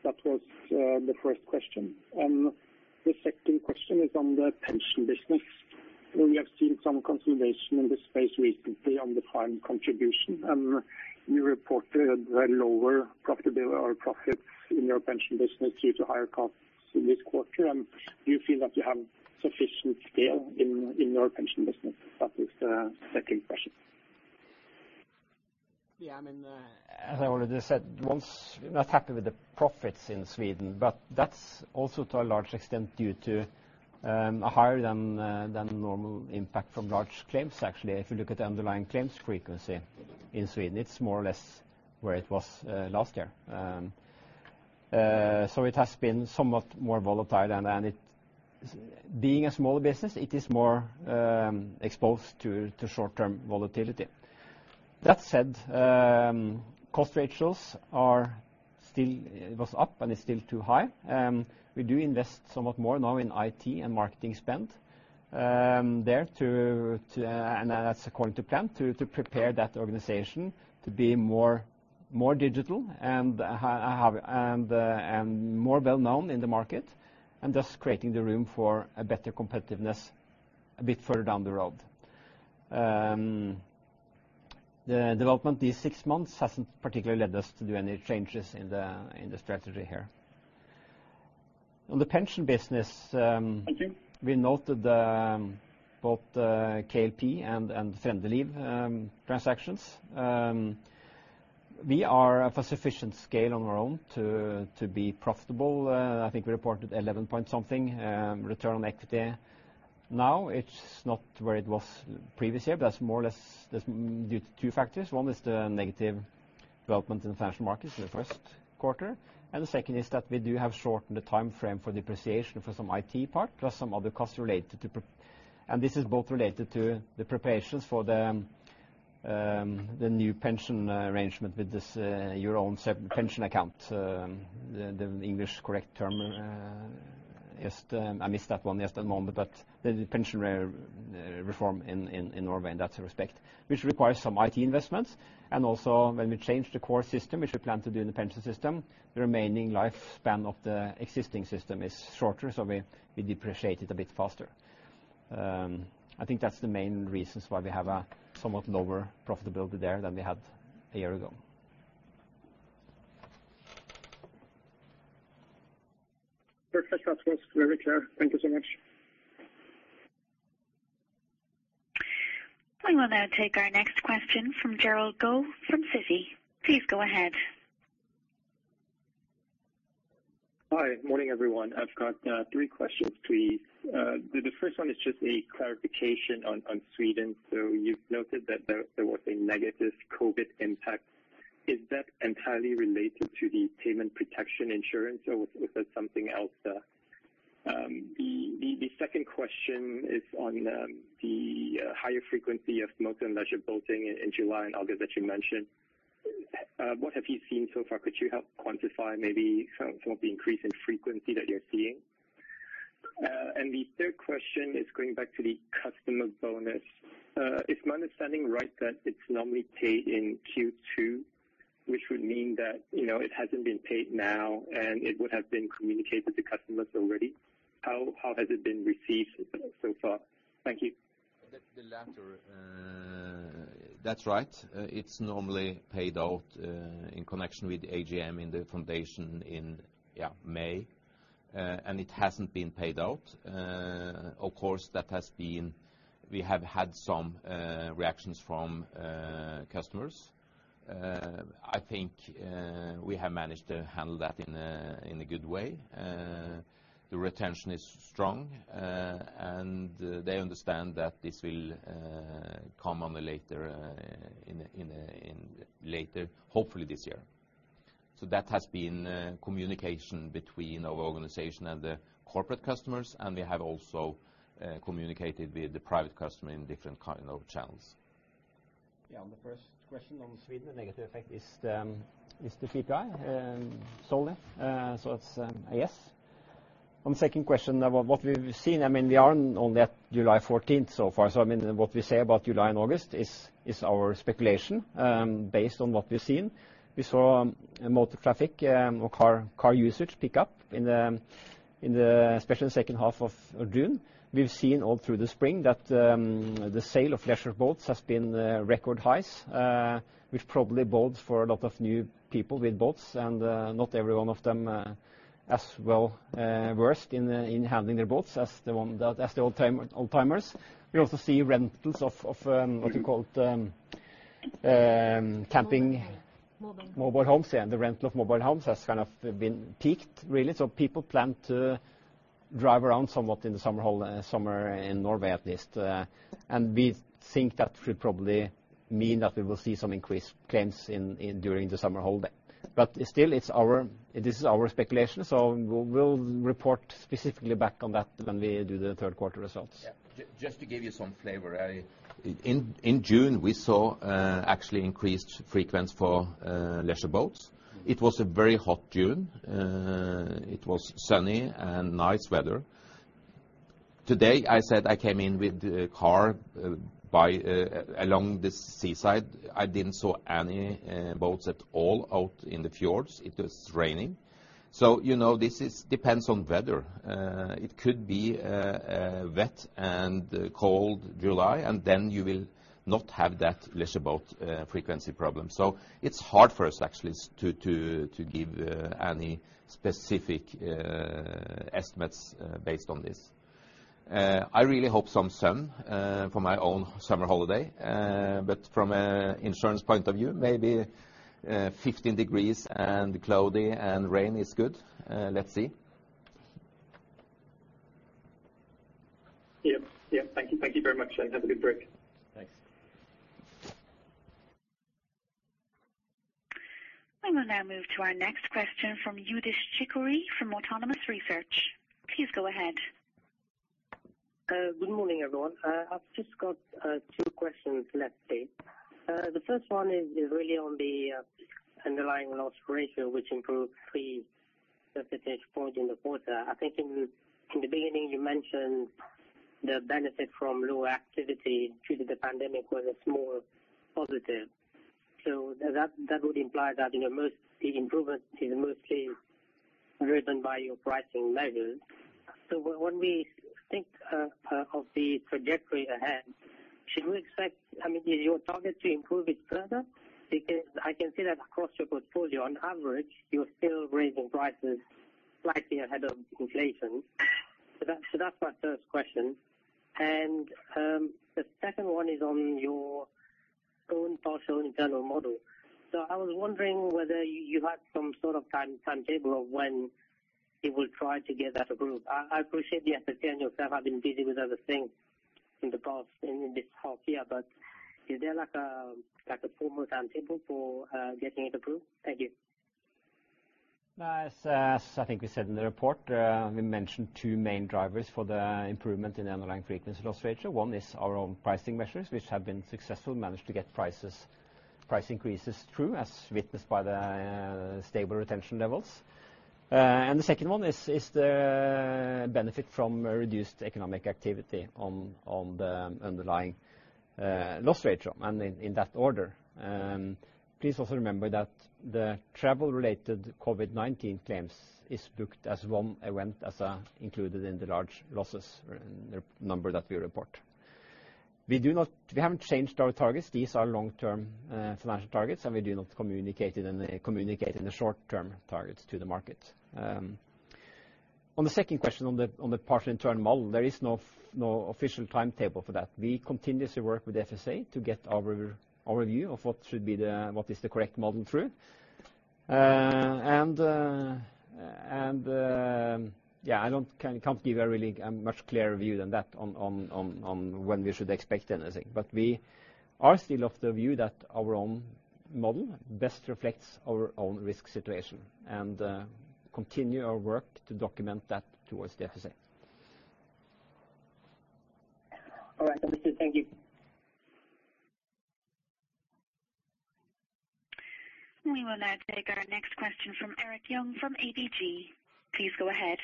That was the first question. And the second question is on the pension business. We have seen some consolidation in this space recently on the defined contribution. And you reported lower profitability or profits in your pension business due to higher costs this quarter. And do you feel that you have sufficient scale in your pension business? That was the second question. Yeah. I mean, as I already said, I'm not happy with the profits in Sweden, but that's also to a large extent due to a higher than normal impact from large claims, actually. If you look at the underlying claims frequency in Sweden, it's more or less where it was last year. So it has been somewhat more volatile. And being a smaller business, it is more exposed to short-term volatility. That said, cost ratios are still up and it's still too high. We do invest somewhat more now in IT and marketing spend there to, and that's according to plan, to prepare that organization to be more digital and more well-known in the market and thus creating the room for better competitiveness a bit further down the road. The development these six months hasn't particularly led us to do any changes in the strategy here. On the pension business. We noted both KLP and Frende transactions. We are of a sufficient scale on our own to be profitable. I think we reported 11 point something return on equity. Now, it's not where it was previous year, but that's more or less due to two factors. One is the negative development in the financial markets in the first quarter, and the second is that we do have shortened the timeframe for depreciation for some IT part, plus some other costs related to, and this is both related to the preparations for the new pension arrangement with your Own Pension Account. The English correct term, just I missed that one yesterday morning, but the pension reform in Norway in that respect, which requires some IT investments, and also, when we change the core system, which we plan to do in the pension system, the remaining lifespan of the existing system is shorter, so we depreciate it a bit faster. I think that's the main reasons why we have a somewhat lower profitability there than we had a year ago. Perfect. That was very clear. Thank you so much. We will now take our next question from Gerald Goh from Citi. Please go ahead. Hi. Morning, everyone. I've got three questions to you. The first one is just a clarification on Sweden. So you've noted that there was a negative COVID impact. Is that entirely related to the Payment Protection Insurance, or was that something else? The second question is on the higher frequency of motor and leisure boating in July and August that you mentioned. What have you seen so far? Could you help quantify maybe some of the increase in frequency that you're seeing? And the third question is going back to the customer bonus. Is my understanding right that it's normally paid in Q2, which would mean that it hasn't been paid now, and it would have been communicated to customers already? How has it been received so far? Thank you. The latter. That's right. It's normally paid out in connection with AGM in the Foundation in, yeah, May. And it hasn't been paid out. Of course, that has been we have had some reactions from customers. I think we have managed to handle that in a good way. The retention is strong, and they understand that this will come on a later in later, hopefully this year. So that has been communication between our organization and the corporate customers, and we have also communicated with the private customer in different kind of channels. Yeah. On the first question on Sweden, the negative effect is the PPI solely. So that's a yes. On the second question, what we've seen, I mean, we are only at July 14th so far. So I mean, what we say about July and August is our speculation based on what we've seen. We saw motor traffic or car usage pick up in the special second half of June. We've seen all through the spring that the sale of leisure boats has been record highs, which probably bodes for a lot of new people with boats. And not every one of them as well versed in handling their boats as the old-timers. We also see rentals of what you called camping. Mobile homes. Mobile homes, yeah. The rental of mobile homes has kind of been peaked, really. So people plan to drive around somewhat in the summer in Norway, at least. And we think that should probably mean that we will see some increased claims during the summer holiday. But still, this is our speculation. We'll report specifically back on that when we do the third quarter results. Just to give you some flavor, in June, we saw actually increased frequency for leisure boats. It was a very hot June. It was sunny and nice weather. Today, I said I came in with a car along the seaside. I didn't see any boats at all out in the fjords. It was raining. So this depends on weather. It could be a wet and cold July, and then you will not have that leisure boat frequency problem. So it's hard for us, actually, to give any specific estimates based on this. I really hope some sun for my own summer holiday. But from an insurance point of view, maybe 15 degrees and cloudy and rain is good. Let's see. Yeah. Yeah. Thank you. Thank you very much, and have a good break. Thanks. We will now move to our next question from Youdish Chicooree from Autonomous Research. Please go ahead. Good morning, everyone. I've just got two questions left here. The first one is really on the underlying loss ratio, which improved 3 percentage points in the quarter. I think in the beginning, you mentioned the benefit from lower activity due to the pandemic was a small positive. So that would imply that the improvement is mostly driven by your pricing measures. So when we think of the trajectory ahead, should we expect? I mean, is your target to improve it further? Because I can see that across your portfolio, on average, you're still raising prices slightly ahead of inflation. So that's my first question. And the second one is on your own partial internal model. So I was wondering whether you had some sort of timetable of when you will try to get that approved. I appreciate the effort. You and yourself, I've been busy with other things in the past in this half year. But is there a formal timetable for getting it approved? Thank you. As I think we said in the report, we mentioned two main drivers for the improvement in the underlying frequency loss ratio. One is our own pricing measures, which have been successful, managed to get price increases through, as witnessed by the stable retention levels. And the second one is the benefit from reduced economic activity on the underlying loss ratio, and in that order. Please also remember that the travel-related COVID-19 claims is booked as one event as included in the large losses number that we report. We haven't changed our targets. These are long-term financial targets, and we do not communicate in the short-term targets to the market. On the second question on the partial internal model, there is no official timetable for that. We continuously work with FSA to get our view of what is the correct model through. And yeah, I can't give you a really much clearer view than that on when we should expect anything. But we are still of the view that our own model best reflects our own risk situation and continue our work to document that towards the FSA. We will now take our next question from Jan Erik Gjerland from ABG. Please go ahead.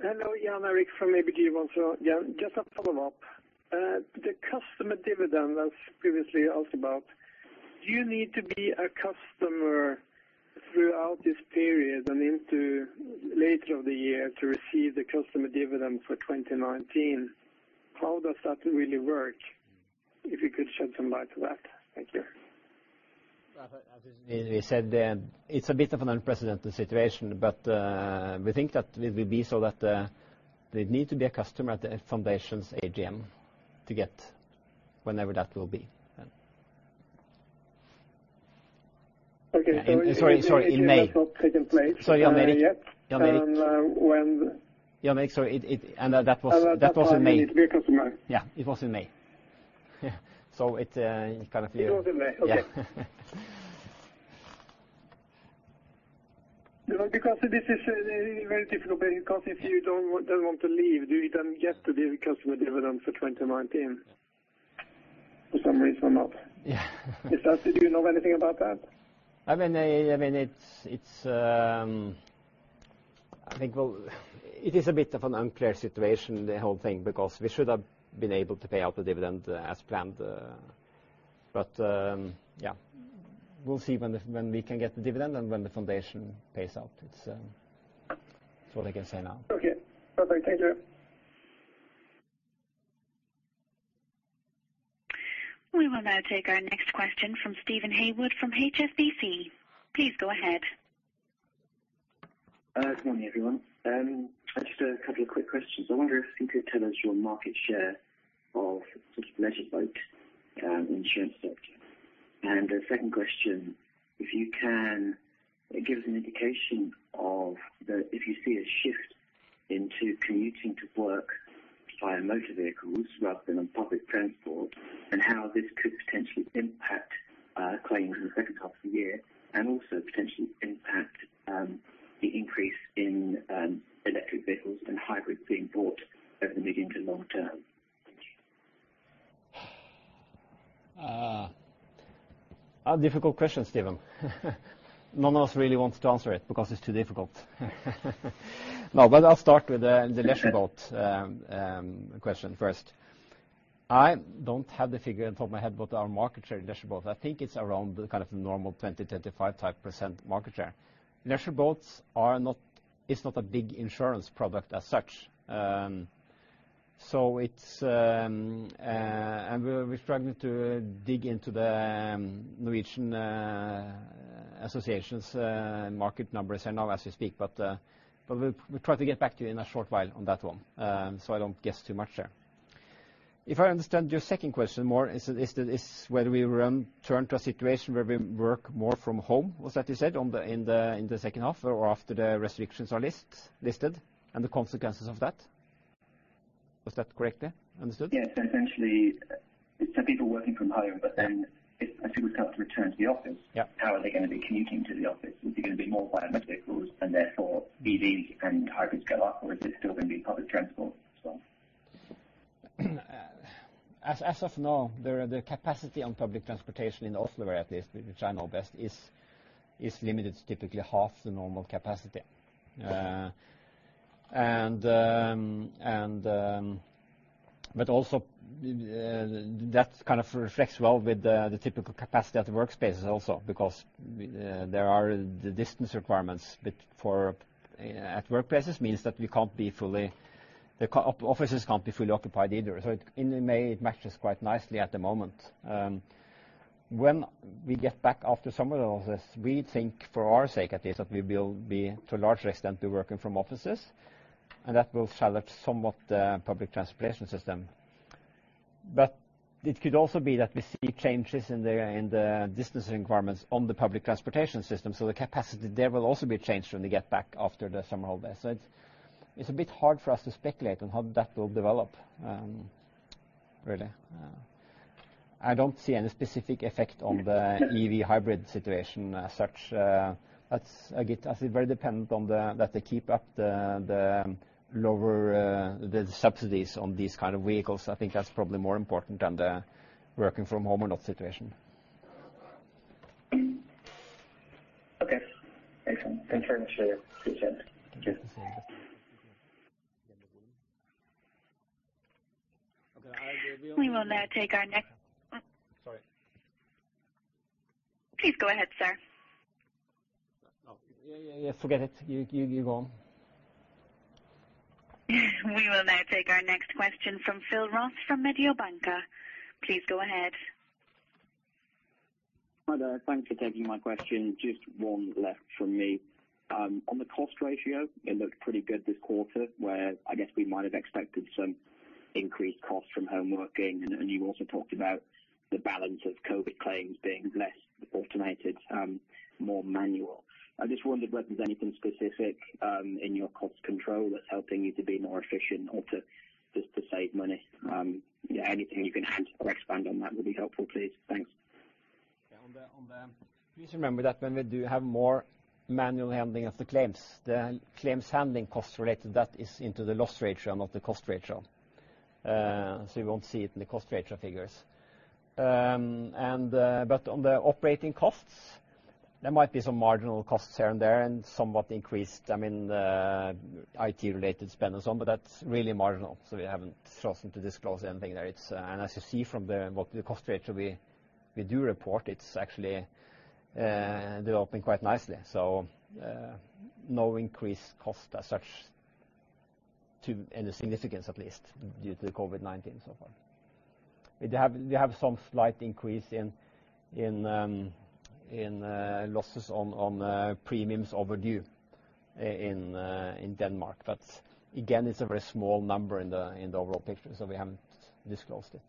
Hello. Yeah, I'm Jan Erik from ABG once again. Just a follow-up. The customer dividend, as previously asked about, do you need to be a customer throughout this period and into later of the year to receive the customer dividend for 2019? How does that really work? If you could shed some light on that. Thank you. As we said, it's a bit of an unprecedented situation, but we think that it will be so that they need to be a customer at the Foundation's AGM to get whenever that will be. Okay. Sorry. In May. So you're not taking place? Sorry. I'm ready. Yeah. When? Yeah. Sorry. And that was in May. It was in May. Okay. Because this is a very difficult thing because if you don't want to leave, do you then get to the customer dividend for 2019? For some reason or not. Do you know anything about that? I mean, I think it is a bit of an unclear situation, the whole thing, because we should have been able to pay out the dividend as planned. But yeah, we'll see when we can get the dividend and when the Foundation pays out. That's all I can say now. Okay. Perfect. Thank you. We will now take our next question from Steven Haywood from HSBC. Please go ahead. Good morning, everyone. Just a couple of quick questions. I wonder if you could tell us your market share of leisure boat insurance sector. The second question, if you can give us an indication of if you see a shift into commuting to work via motor vehicles rather than public transport, and how this could potentially impact claims in the second half of the year, and also potentially impact the increase in electric vehicles and hybrids being bought over the medium to long term. A difficult question, Steven. None of us really wants to answer it because it's too difficult. No, but I'll start with the leisure boat question first. I don't have the figure off the top of my head, but our market share in leisure boats, I think it's around kind of the normal 20%-25% type market share. Leisure boats is not a big insurance product as such. And we're struggling to dig into the Norwegian Association's market numbers right now as we speak, but we'll try to get back to you in a short while on that one. So I don't guess too much there. If I understand your second question correctly, is whether we turn to a situation where we work more from home, was that what you said in the second half or after the restrictions are lifted and the consequences of that? Was that correctly understood? Yeah. So essentially, some people working from home, but then if people start to return to the office, how are they going to be commuting to the office? Is it going to be more by motor vehicles and therefore EVs and hybrids go up, or is it still going to be public transport as well? As of now, the capacity on public transportation in Oslo, where at least, which I know best, is limited to typically half the normal capacity, but also that kind of reflects well with the typical capacity at the workspaces also because there are the distance requirements at workplaces means that we can't be fully the offices can't be fully occupied either, so in May it matches quite nicely at the moment. When we get back after summer holidays, we think for our sake at least that we will be to a large extent working from offices, and that will challenge somewhat the public transportation system, but it could also be that we see changes in the distance requirements on the public transportation system, so the capacity there will also be changed when we get back after the summer holidays. So it's a bit hard for us to speculate on how that will develop, really. I don't see any specific effect on the EV hybrid situation as such. I guess I see it very dependent on that they keep up the lower subsidies on these kind of vehicles. I think that's probably more important than the working from home or not situation. Okay. Excellent. Thanks very much for your feedback. We will now take our next. Sorry. Please go ahead, sir. Oh, yeah, yeah, yeah. Forget it. You go on. We will now take our next question from Phil Ross from Mediobanca. Please go ahead. Hi, there. Thanks for taking my question. Just one left from me. On the cost ratio, it looked pretty good this quarter, where I guess we might have expected some increased costs from home working. You also talked about the balance of COVID claims being less automated, more manual. I just wondered whether there's anything specific in your cost control that's helping you to be more efficient or just to save money. Anything you can add or expand on that would be helpful, please. Thanks. Yeah. Please remember that when we do have more manual handling of the claims, the claims handling cost-related, that is into the loss ratio and not the cost ratio. So you won't see it in the cost ratio figures. On the operating costs, there might be some marginal costs here and there and somewhat increased, I mean, IT-related spend and so on, but that's really marginal. We haven't chosen to disclose anything there. As you see from the cost ratio we do report, it's actually developing quite nicely. So no increased cost as such to any significance, at least due to COVID-19 so far. We have some slight increase in losses on premiums overdue in Denmark. But again, it's a very small number in the overall picture, so we haven't disclosed it.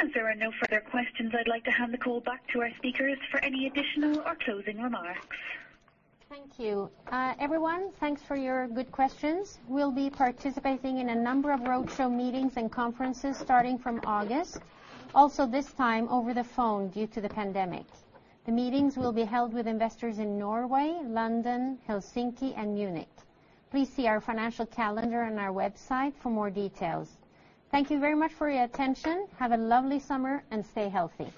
As there are no further questions, I'd like to hand the call back to our speakers for any additional or closing remarks. Thank you. Everyone, thanks for your good questions. We'll be participating in a number of roadshow meetings and conferences starting from August, also this time over the phone due to the pandemic. The meetings will be held with investors in Norway, London, Helsinki, and Munich. Please see our financial calendar on our website for more details. Thank you very much for your attention. Have a lovely summer and stay healthy.